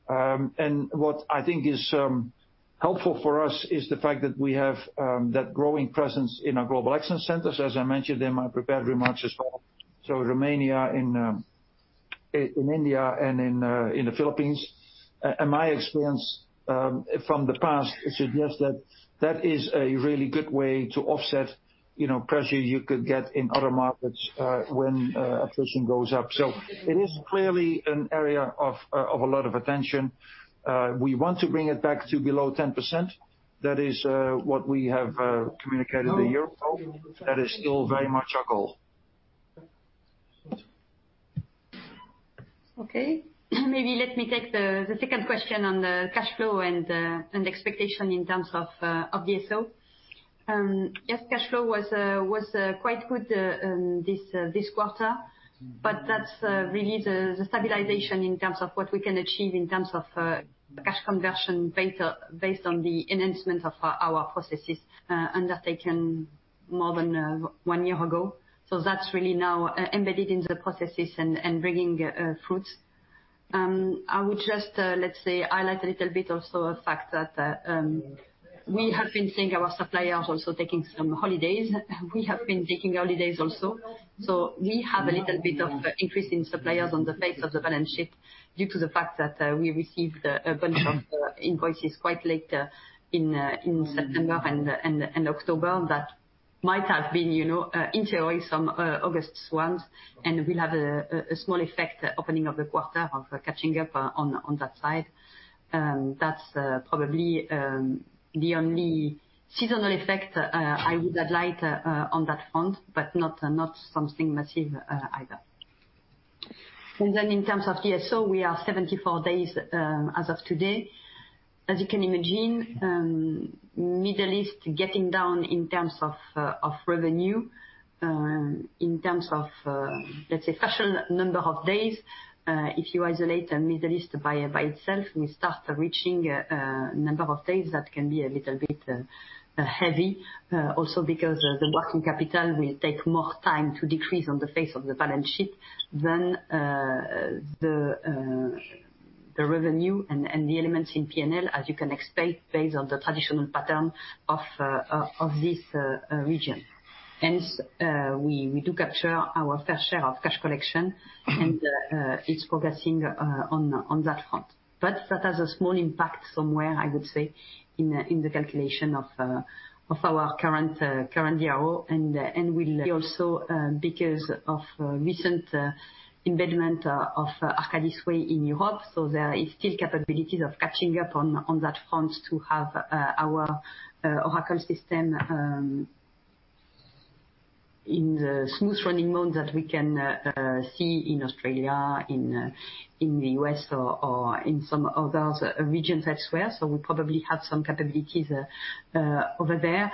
What I think is helpful for us is the fact that we have that growing presence in our global excellence centers, as I mentioned in my prepared remarks as well. Romania, in India and in the Philippines. My experience from the past suggests that that is a really good way to offset, you know, pressure you could get in other markets when attrition goes up. It is clearly an area of a lot of attention. We want to bring it back to below 10%. That is what we have communicated a year ago. That is still very much our goal. Okay. Maybe let me take the second question on the cash flow and the expectation in terms of DSO. Yes, cash flow was quite good this quarter, but that's really the stabilization in terms of what we can achieve in terms of cash conversion based on the enhancement of our processes undertaken more than one year ago. That's really now embedded in the processes and bringing fruits. I would just let's say highlight a little bit also the fact that we have been seeing our suppliers also taking some holidays. We have been taking holidays also. We have a little bit of increase in suppliers on the face of the balance sheet due to the fact that we received a bunch of invoices quite late in September and October that might have been, you know, intended for some August ones, and will have a small effect on the opening of the quarter of catching up on that side. That's probably the only seasonal effect I would highlight on that front, but not something massive either. In terms of DSO, we are 74 days as of today. As you can imagine, Middle East getting down in terms of revenue, in terms of, let's say, average number of days. If you isolate Middle East by itself, we start reaching a number of days that can be a little bit heavy, also because the working capital will take more time to decrease on the face of the balance sheet than the revenue and the elements in P&L, as you can expect, based on the traditional pattern of this region. Hence, we do capture our fair share of cash collection. Mm-hmm. It's progressing on that front. That has a small impact somewhere, I would say, in the calculation of our current DSO. We'll also, because of recent embedment of Arcadis Way in Europe, so there is still capabilities of catching up on that front to have our Oracle system in the smooth running mode that we can see in Australia, in the West or in some other regions elsewhere. We probably have some capabilities over there.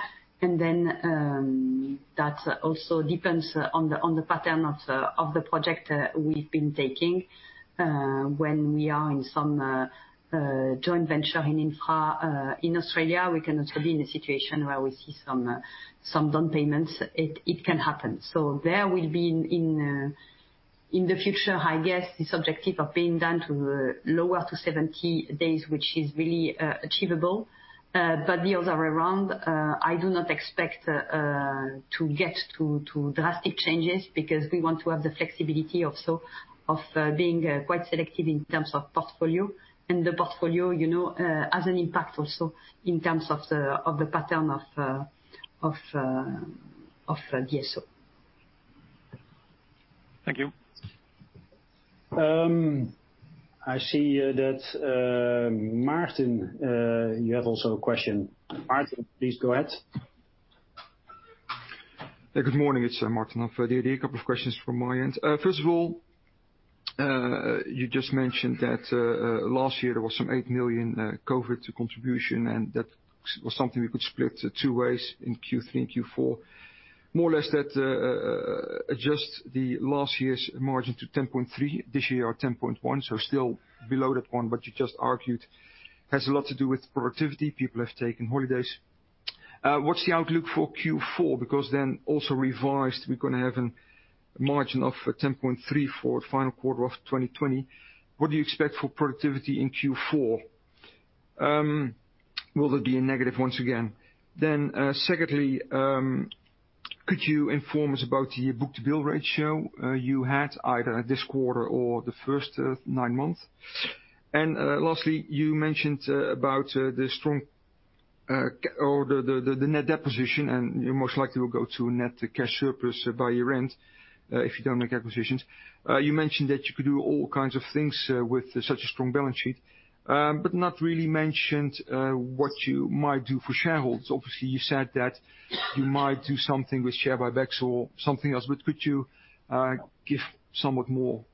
Then that also depends on the pattern of the project we've been taking. When we are in some joint venture in infra in Australia, we can also be in a situation where we see some down payments. It can happen. There we'll be in the future, I guess, this objective of being down to lower to 70 days, which is really achievable. The other way around, I do not expect to get to drastic changes because we want to have the flexibility also of being quite selective in terms of portfolio. The portfolio, you know, has an impact also in terms of the pattern of DSO. Thank you. I see, Maarten, you have also a question. Maarten, please go ahead. Yeah, good morning. It's Maarten Verbeek. A couple of questions from my end. First of all, you just mentioned that last year there was some 8 million COVID contribution, and that was something we could split two ways in Q3 and Q4. More or less that adjust the last year's margin to 10.3% this year or 10.1%, so still below that one. You just argued has a lot to do with productivity. People have taken holidays. What's the outlook for Q4? Because then also revised, we're gonna have a margin of 10.3% for final quarter of 2020. What do you expect for productivity in Q4? Will there be a negative once again? Secondly, could you inform us about the book-to-bill ratio you had either this quarter or the first nine months? Lastly, you mentioned about the strong or the net debt position, and you most likely will go to net cash surplus by year-end, if you don't make acquisitions. You mentioned that you could do all kinds of things with such a strong balance sheet, but not really mentioned what you might do for shareholders. Obviously, you said that you might do something with share buybacks or something else, but could you give somewhat more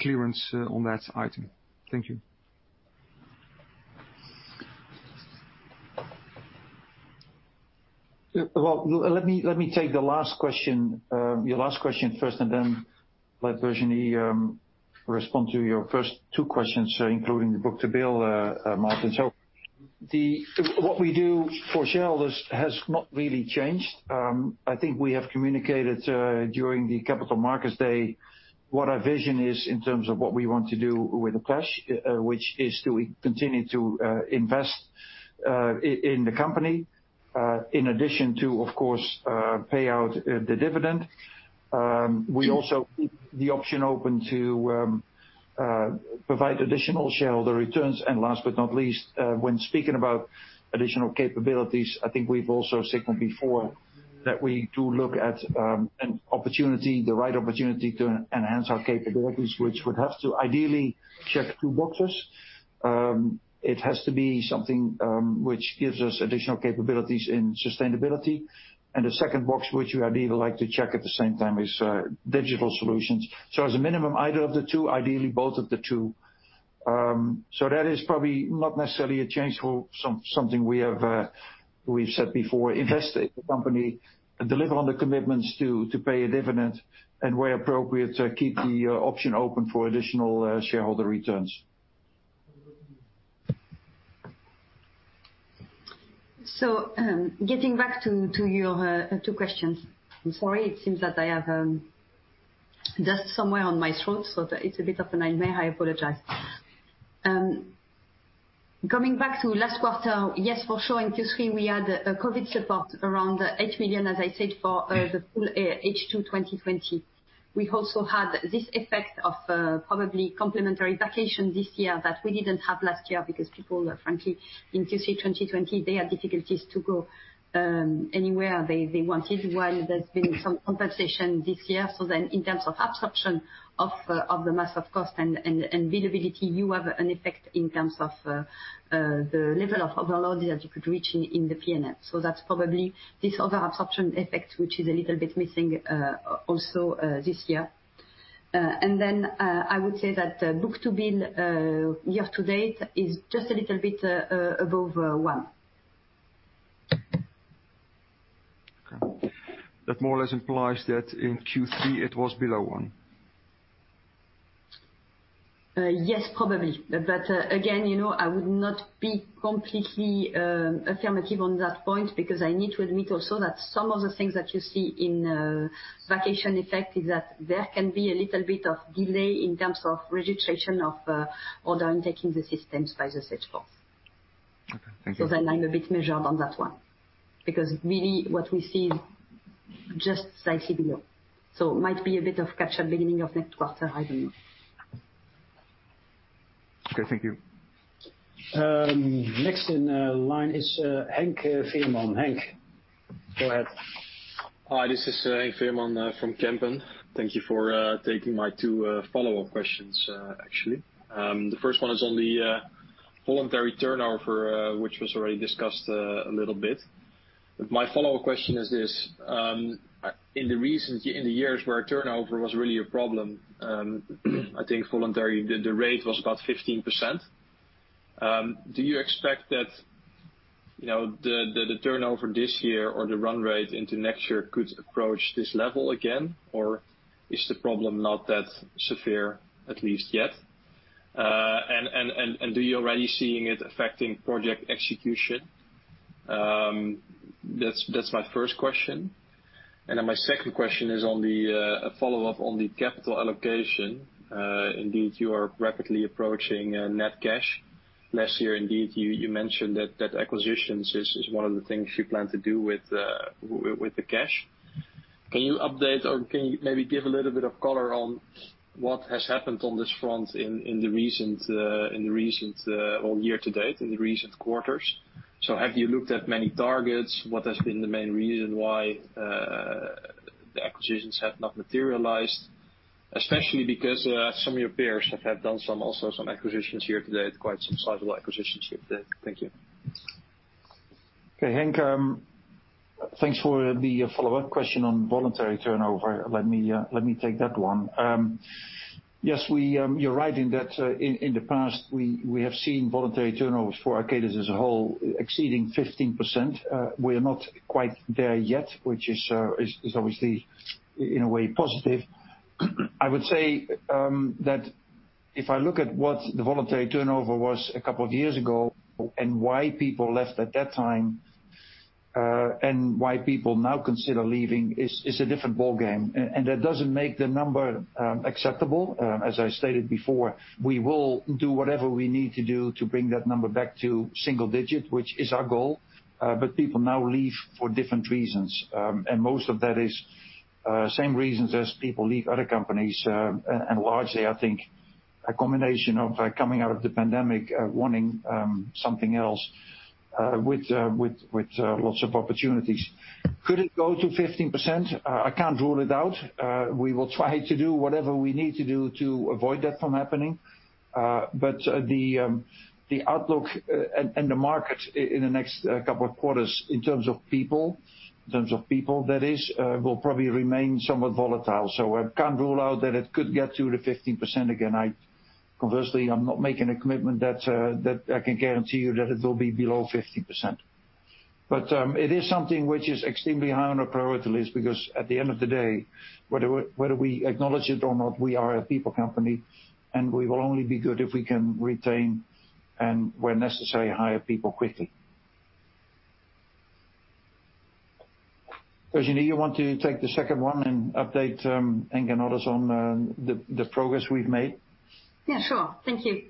clarity on that item? Thank you. Well, let me take the last question, your last question first, and then let Virginie respond to your first two questions, including the book-to-bill, Maarten. What we do for shareholders has not really changed. I think we have communicated during the Capital Markets Day, what our vision is in terms of what we want to do with the cash, which is to continue to invest in the company, in addition to, of course, pay out the dividend. We also keep the option open to provide additional shareholder returns. Last but not least, when speaking about additional capabilities, I think we've also signaled before that we do look at an opportunity, the right opportunity to enhance our capabilities, which would have to ideally check two boxes. It has to be something which gives us additional capabilities in sustainability. The second box which we ideally like to check at the same time is digital solutions. As a minimum, either of the two, ideally both of the two. That is probably not necessarily a change for something we have, we've said before. Invest in the company, deliver on the commitments to pay a dividend, and where appropriate, keep the option open for additional shareholder returns. Getting back to your two questions. I'm sorry, it seems that I have dust somewhere on my throat, so it's a bit of a nightmare. I apologize. Coming back to last quarter. Yes, for sure. In Q3, we had a COVID support around 8 million, as I said, for the full H2 2020. We also had this effect of probably complementary vacation this year that we didn't have last year because people frankly, in Q3 2020, they had difficulties to go anywhere they wanted, while there's been some compensation this year. In terms of absorption of the massive cost and billability, you have an effect in terms of the level of overhead that you could reach in the P&L. That's probably this other absorption effect, which is a little bit missing, also this year. Then, I would say that the book-to-bill year to date is just a little bit above one. Okay. That more or less implies that in Q3 it was below one. Yes, probably. Again, you know, I would not be completely affirmative on that point because I need to admit also that some of the things that you see in vacation effect is that there can be a little bit of delay in terms of registration of order and taking the systems by the sales force. Then I'm a bit measured on that one because really what we see just slightly below. It might be a bit of catch-up beginning of next quarter, I don't know. Okay, thank you. Next in line is Henk Veerman. Henk, go ahead. Hi, this is Henk Veerman from Kempen. Thank you for taking my two follow-up questions, actually. The first one is on the voluntary turnover, which was already discussed a little bit. My follow-up question is this, in the years where turnover was really a problem, I think voluntary the rate was about 15%. Do you expect that, you know, the turnover this year or the run rate into next year could approach this level again? Or is the problem not that severe, at least yet? And do you already seeing it affecting project execution? That's my first question. My second question is on a follow-up on the capital allocation. Indeed, you are rapidly approaching net cash. Last year, indeed, you mentioned that acquisitions is one of the things you plan to do with the cash. Can you update or can you maybe give a little bit of color on what has happened on this front in the recent or year-to-date, in the recent quarters? Have you looked at many targets? What has been the main reason why the acquisitions have not materialized? Especially because some of your peers have done some acquisitions here today, quite some sizable acquisitions here today. Thank you. Okay, Henk, thanks for the follow-up question on voluntary turnover. Let me take that one. Yes, you're right in that, in the past, we have seen voluntary turnovers for Arcadis as a whole exceeding 15%. We are not quite there yet, which is obviously in a way positive. I would say, that if I look at what the voluntary turnover was a couple of years ago and why people left at that time, and why people now consider leaving is a different ballgame. That doesn't make the number acceptable. As I stated before, we will do whatever we need to do to bring that number back to single digit, which is our goal. People now leave for different reasons, and most of that is the same reasons as people leave other companies, and largely, I think a combination of coming out of the pandemic, wanting something else, with lots of opportunities. Could it go to 15%? I can't rule it out. We will try to do whatever we need to do to avoid that from happening. The outlook and the market in the next couple of quarters in terms of people will probably remain somewhat volatile. I can't rule out that it could get to the 15% again. Conversely, I'm not making a commitment that I can guarantee you that it will be below 15%. It is something which is extremely high on our priority list because at the end of the day, whether we acknowledge it or not, we are a people company, and we will only be good if we can retain and when necessary, hire people quickly. Virginie, you want to take the second one and update Henk and others on the progress we've made? Yeah, sure. Thank you.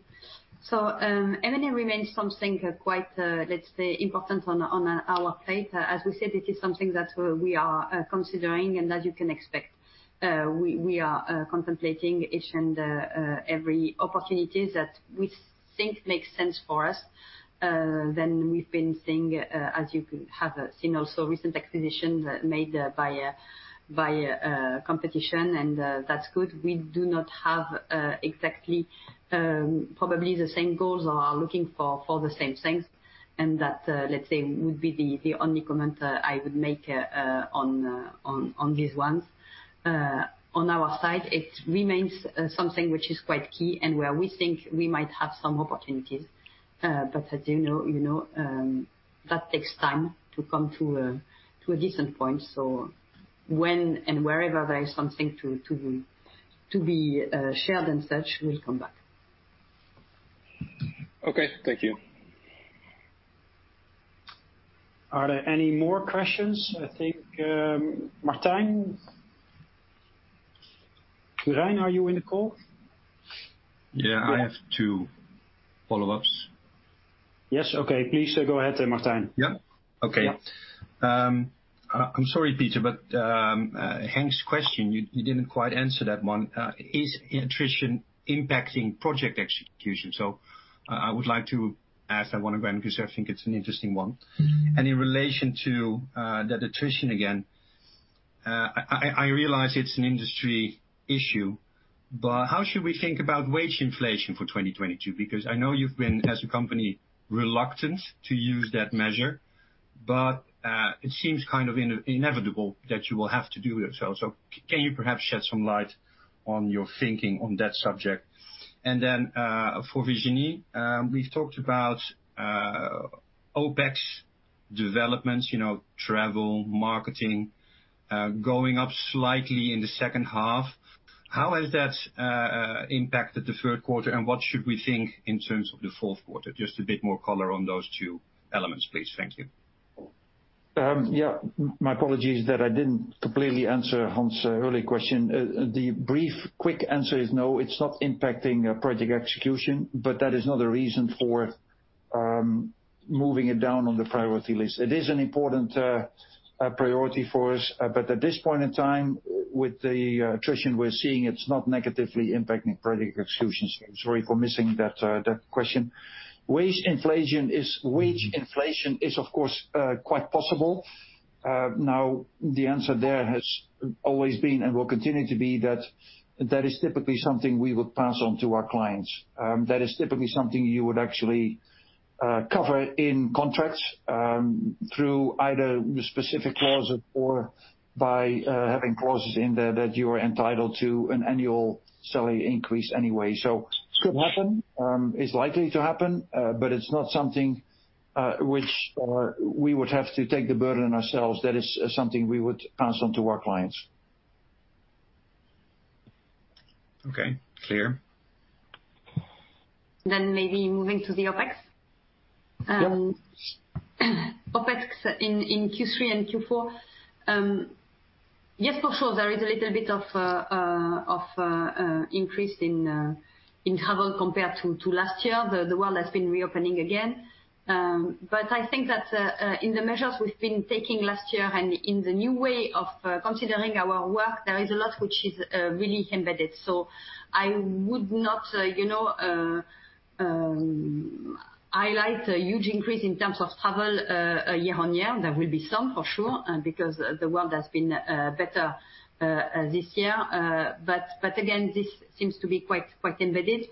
M&A remains something quite, let's say, important on our plate. As we said, it is something that we are considering and as you can expect, we are contemplating each and every opportunity that we think makes sense for us. We've been seeing, as you have seen, also recent acquisitions made by a competition, and that's good. We do not have exactly, probably the same goals or are looking for the same things. That, let's say, would be the only comment I would make on this one. On our side, it remains something which is quite key and where we think we might have some opportunities. As you know, that takes time to come to a different point. When and wherever there is something to be shared and such, we'll come back. Okay. Thank you. Are there any more questions? I think, Martijn? Quirijn, are you in the call? Yeah, I have two follow-ups. Yes. Okay. Please go ahead then, Martijn. Yeah. Okay. I'm sorry, Peter, but Henk's question, you didn't quite answer that one. Is attrition impacting project execution? I would like to ask that one again because I think it's an interesting one. Mm-hmm. In relation to that attrition again, I realize it's an industry issue, but how should we think about wage inflation for 2022? Because I know you've been, as a company, reluctant to use that measure, but it seems kind of inevitable that you will have to do it. Can you perhaps shed some light on your thinking on that subject? For Virginie, we've talked about OpEx developments, you know, travel, marketing going up slightly in the second half. How has that impacted the third quarter, and what should we think in terms of the fourth quarter? Just a bit more color on those two elements, please. Thank you. Yeah, my apologies that I didn't completely answer Hans' early question. The brief, quick answer is no, it's not impacting project execution, but that is not a reason for moving it down on the priority list. It is an important priority for us, but at this point in time, with the attrition we're seeing, it's not negatively impacting project execution. Sorry for missing that question. Wage inflation is, of course, quite possible. Now the answer there has always been and will continue to be that that is typically something we would pass on to our clients. That is typically something you would actually cover in contracts, through either specific clauses or by having clauses in there that you are entitled to an annual salary increase anyway. It could happen, it's likely to happen, but it's not something which we would have to take the burden ourselves. That is something we would pass on to our clients. Okay, clear. Maybe moving to the OpEx. Yep. OpEx in Q3 and Q4. Yes, for sure, there is a little bit of increase in travel compared to last year. The world has been reopening again. I think that in the measures we've been taking last year and in the new way of considering our work, there is a lot which is really embedded. I would not highlight a huge increase in terms of travel year-on-year. There will be some for sure because the world has been better this year. Again, this seems to be quite embedded.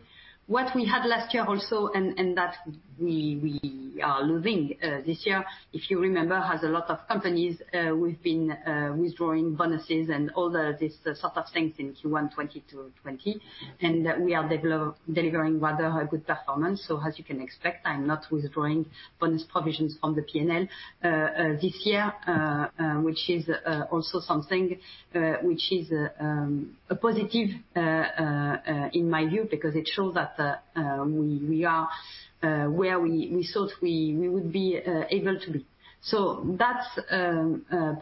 What we had last year also, and that we are losing this year, if you remember, had a lot of companies we've been withdrawing bonuses and all this sort of things in Q1 2020. We are delivering rather a good performance. As you can expect, I'm not withdrawing bonus provisions on the P&L this year, which is also something which is a positive in my view, because it shows that we are where we thought we would be able to be. That's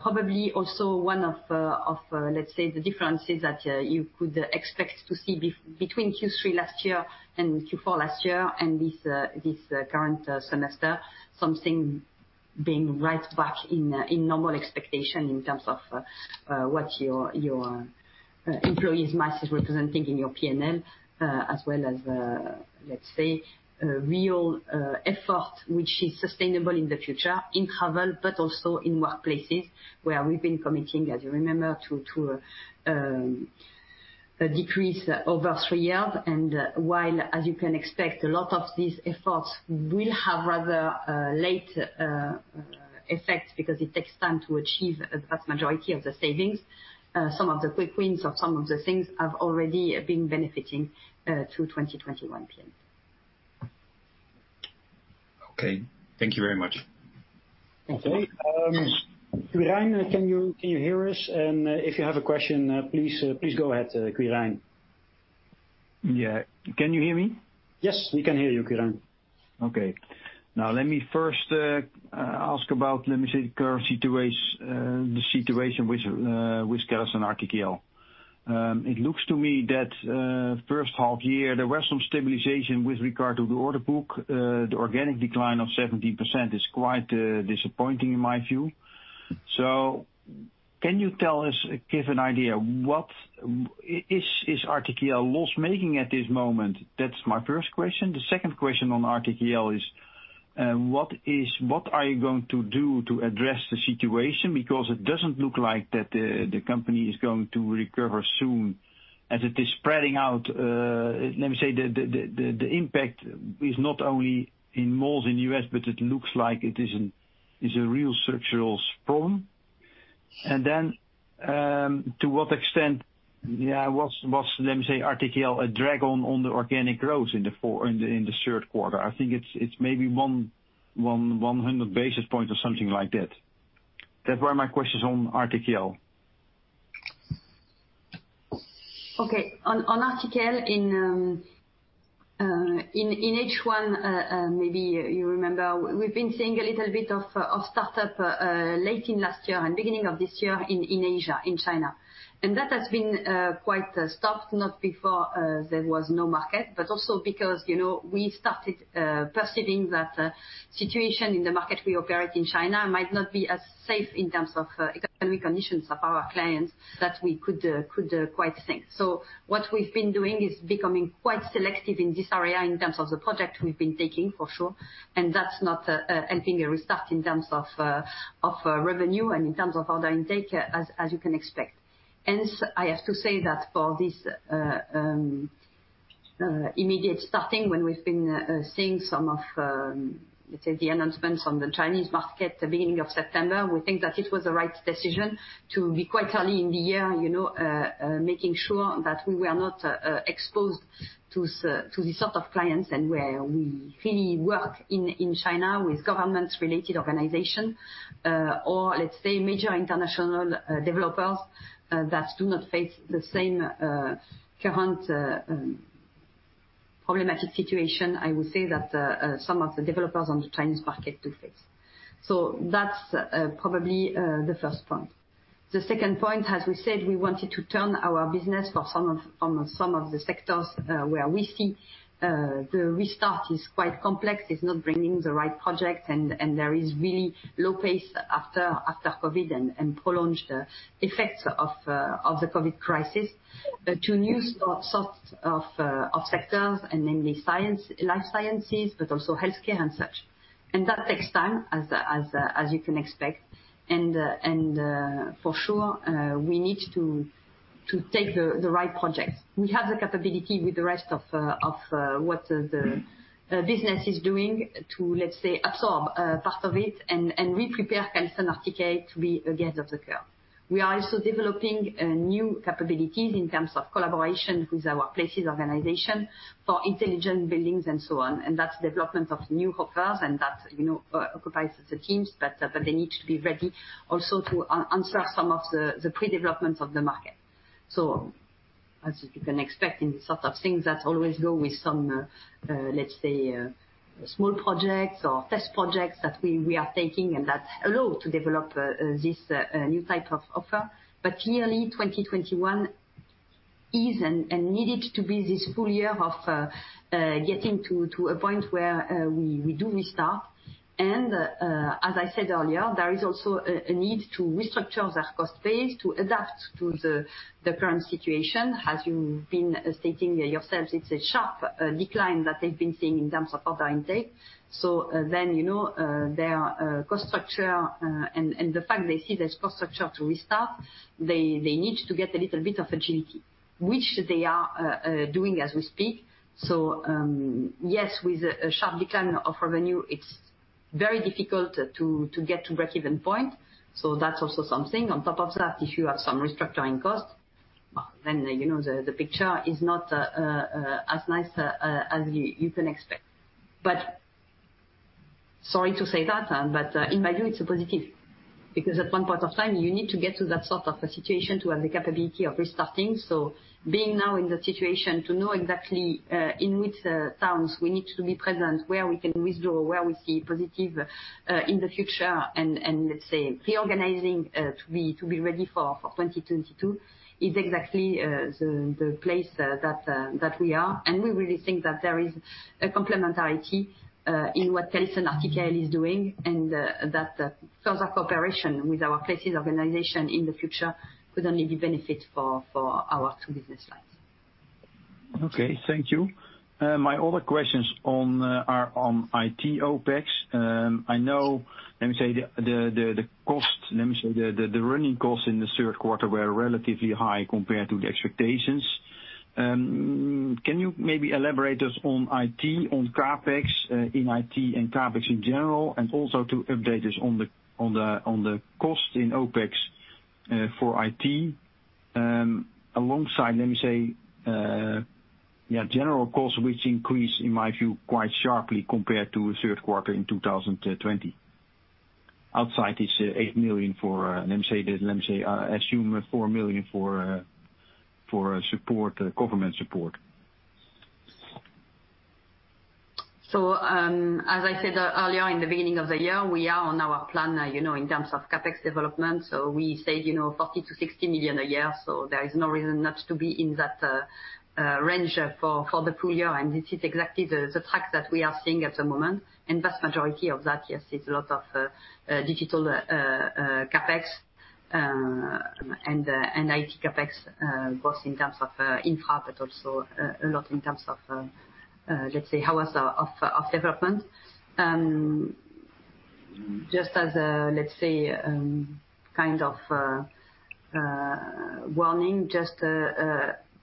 probably also one of, let's say, the differences that you could expect to see between Q3 last year and Q4 last year and this current semester, something being right back in normal expectation in terms of what your employees mass representing in your P&L, as well as, let's say, a real effort which is sustainable in the future in travel, but also in workplaces where we've been committing, as you remember, to a decrease over three years. While, as you can expect, a lot of these efforts will have rather late effects because it takes time to achieve a vast majority of the savings. Some of the quick wins or some of the things have already been benefiting to 2021 P&L. Okay. Thank you very much. Okay. Quirijn, can you hear us? If you have a question, please go ahead, Quirijn. Yeah. Can you hear me? Yes, we can hear you, Quirijn. Okay. Now, let me first ask about the situation with CallisonRTKL. It looks to me that first half year there was some stabilization with regard to the order book. The organic decline of 17% is quite disappointing in my view. Can you tell us, give an idea. Is RTKL loss-making at this moment? That's my first question. The second question on RTKL is, what are you going to do to address the situation? Because it doesn't look like that the company is going to recover soon as it is spreading out. Let me say the impact is not only in malls in U.S., but it looks like it is a real structural problem. To what extent, yeah, was RTTL a drag on the organic growth in the third quarter. I think it's maybe 100 basis points or something like that. That were my questions on RTTL. Okay. On RTKL in H1, maybe you remember, we've been seeing a little bit of start-up late in last year and beginning of this year in Asia, in China. That has been quite soft, not only because there was no market, but also because, you know, we started perceiving that situation in the market we operate in China might not be as safe in terms of economic conditions of our clients as we thought. What we've been doing is becoming quite selective in this area in terms of the projects we've been taking, for sure. That's not hindering a restart in terms of revenue and in terms of order intake, as you can expect. Hence, I have to say that for this immediate starting when we've been seeing some of, let's say, the announcements on the Chinese market at the beginning of September, we think that it was the right decision to be quite early in the year, you know, making sure that we were not exposed to this sort of clients and where we really work in China with government-related organization or let's say major international developers that do not face the same current economic problematic situation, I would say that some of the developers on the Chinese market do face. That's probably the first point. The second point, as we said, we wanted to turn our business on some of the sectors where we see the restart is quite complex. It's not bringing the right projects and there is really slow pace after COVID and prolonged effects of the COVID crisis. Two new sort of sectors, namely science, life sciences, but also healthcare and such. That takes time, as you can expect. For sure, we need to take the right projects. We have the capability with the rest of what the business is doing to, let's say, absorb part of it. We prepare CallisonRTKL to be ahead of the curve. We are also developing new capabilities in terms of collaboration with our places organization for intelligent buildings and so on. That's development of new offers, and that, you know, occupies the teams. They need to be ready also to answer some of the pre-development of the market. As you can expect in sort of things that always go with some, let's say, small projects or test projects that we are taking, and that allow to develop this new type of offer. Clearly 2021 is and needed to be this full year of getting to a point where we do restart. As I said earlier, there is also a need to restructure our cost base to adapt to the current situation. As you've been stating yourselves, it's a sharp decline that they've been seeing in terms of order intake. Then, you know, their cost structure and the fact they see this cost structure to restart, they need to get a little bit of agility, which they are doing as we speak. Yes, with a sharp decline of revenue, it's very difficult to get to breakeven point. That's also something. On top of that, if you have some restructuring costs, well, then, you know, the picture is not as nice as you can expect. Sorry to say that, but in my view, it's a positive. Because at one point of time, you need to get to that sort of a situation to have the capability of restarting. Being now in the situation to know exactly in which towns we need to be present, where we can withdraw, where we see positive in the future, and let's say reorganizing to be ready for 2022 is exactly the place that we are. We really think that there is a complementarity in what CallisonRTKL is doing, and that closer cooperation with our Places organization in the future could only be benefit for our two business lines. Okay. Thank you. My other questions are on IT OpEx. I know the running costs in the third quarter were relatively high compared to the expectations. Can you maybe elaborate to us on IT, on CapEx in IT and CapEx in general, and also update us on the cost in OpEx for IT? Alongside, yeah, general costs, which increased, in my view, quite sharply compared to third quarter in 2020. Outside this 8 million, assume 4 million for government support. As I said earlier, in the beginning of the year, we are on our plan, you know, in terms of CapEx development. We said, you know, 40 million-60 million a year, so there is no reason not to be in that range for the full year. This is exactly the track that we are seeing at the moment. Vast majority of that, yes, is a lot of digital CapEx and IT CapEx, both in terms of infra, but also a lot in terms of, let's say, hardware of development. Just as a let's say kind of warning,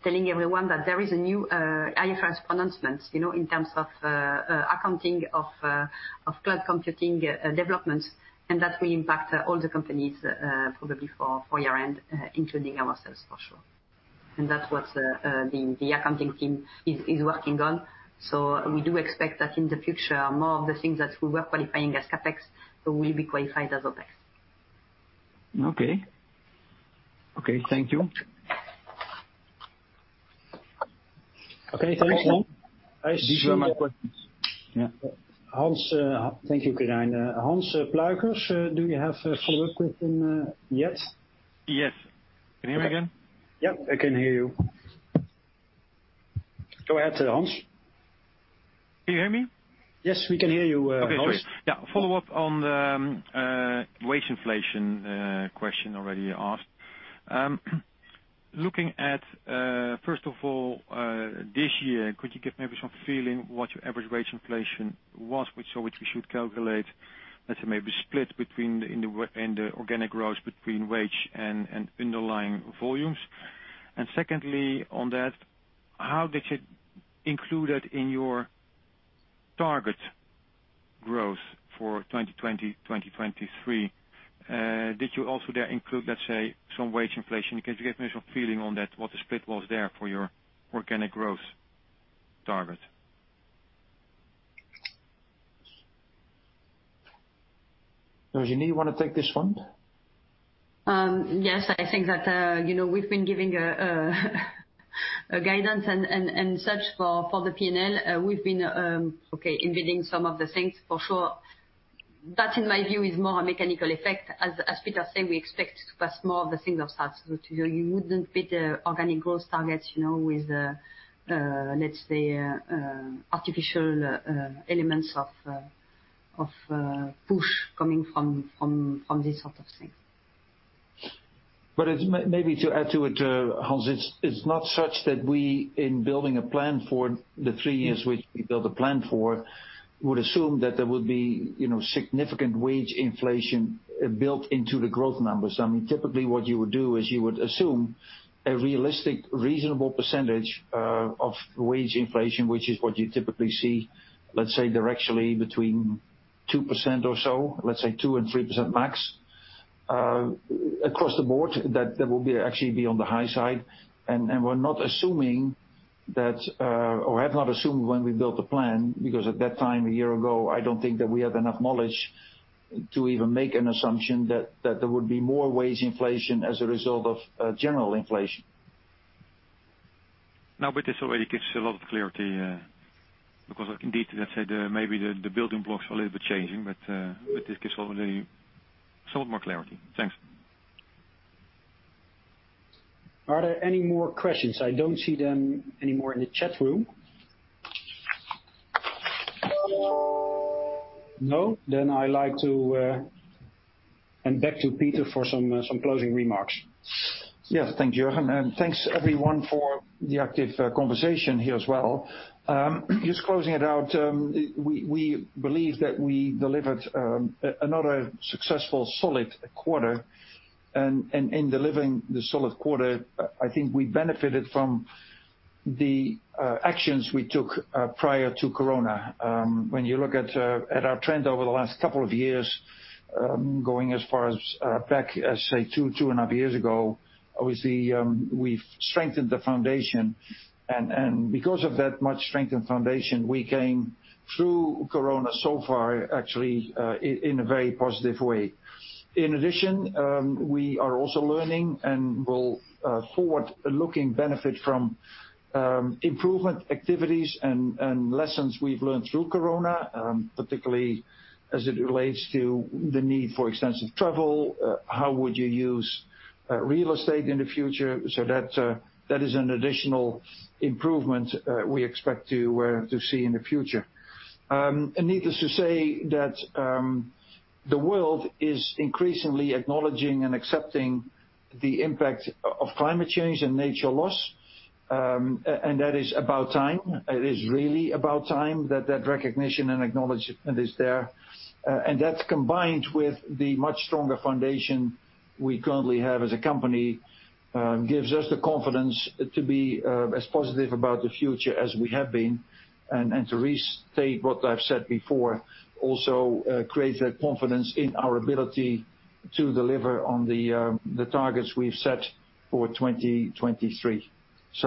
telling everyone that there is a new IFRS pronouncement, you know, in terms of accounting of cloud computing developments, and that will impact all the companies, probably for year-end, including ourselves, for sure. That's what the accounting team is working on. We do expect that in the future, more of the things that we were qualifying as CapEx will be qualified as OpEx. Okay. Okay, thank you. Okay. Thanks. These were my questions. Yeah. Hans, thank you, Quirijn. Hans Pluijgers, do you have a follow-up question yet? Yes. Can you hear me again? Yeah, I can hear you. Go ahead, Hans. Can you hear me? Yes, we can hear you, Hans. Okay, great. Yeah, follow up on the wage inflation question already asked. Looking at first of all this year, could you give maybe some feeling what your average wage inflation was, which we should calculate, let's say, maybe split between in the organic growth between wage and underlying volumes? Secondly, on that, how did you include that in your target growth for 2020-2023? Did you also there include, let's say, some wage inflation? Can you give me some feeling on that, what the split was there for your organic growth target? Virginie, you wanna take this one? Yes. I think that, you know, we've been giving a guidance and such for the P&L. We've been embedding some of the things for sure. That, in my view, is more a mechanical effect. As Peter said, we expect to pass more of the single stocks. You wouldn't beat the organic growth targets, you know, with the, let's say, artificial elements of push coming from this sort of thing. Maybe to add to it, Hans, it's not such that we, in building a plan for the three years which we built a plan for, would assume that there would be, you know, significant wage inflation built into the growth numbers. I mean, typically what you would do is you would assume a realistic, reasonable percentage of wage inflation, which is what you typically see, let's say directionally between 2% or so, let's say 2%-3% max, across the board. That will actually be on the high side. We're not assuming that or have not assumed when we built the plan, because at that time a year ago, I don't think that we had enough knowledge to even make an assumption that there would be more wage inflation as a result of general inflation. This already gives a lot of clarity, because indeed, let's say, maybe the building blocks are a little bit changing, but this gives already somewhat more clarity. Thanks. Are there any more questions? I don't see them anymore in the chat room. No? I'd like to hand back to Peter for some closing remarks. Yes. Thank you, Jurgen. Thanks everyone for the active conversation here as well. Just closing it out, we believe that we delivered another successful solid quarter. In delivering the solid quarter, I think we benefited from the actions we took prior to Corona. When you look at our trend over the last couple of years, going as far back as, say, two and a half years ago, obviously, we've strengthened the foundation and because of that much strengthened foundation, we came through Corona so far, actually, in a very positive way. In addition, we are also learning and will forward-looking benefit from improvement activities and lessons we've learned through Corona, particularly as it relates to the need for extensive travel, how we would use real estate in the future. That is an additional improvement we expect to see in the future. Needless to say that the world is increasingly acknowledging and accepting the impact of climate change and nature loss and that is about time. It is really about time that recognition and acknowledgement is there. That's combined with the much stronger foundation we currently have as a company gives us the confidence to be as positive about the future as we have been. To restate what I've said before, also creates that confidence in our ability to deliver on the targets we've set for 2023.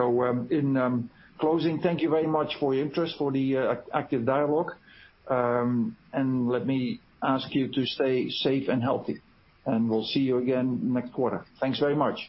In closing, thank you very much for your interest, for the active dialogue. Let me ask you to stay safe and healthy, and we'll see you again next quarter. Thanks very much.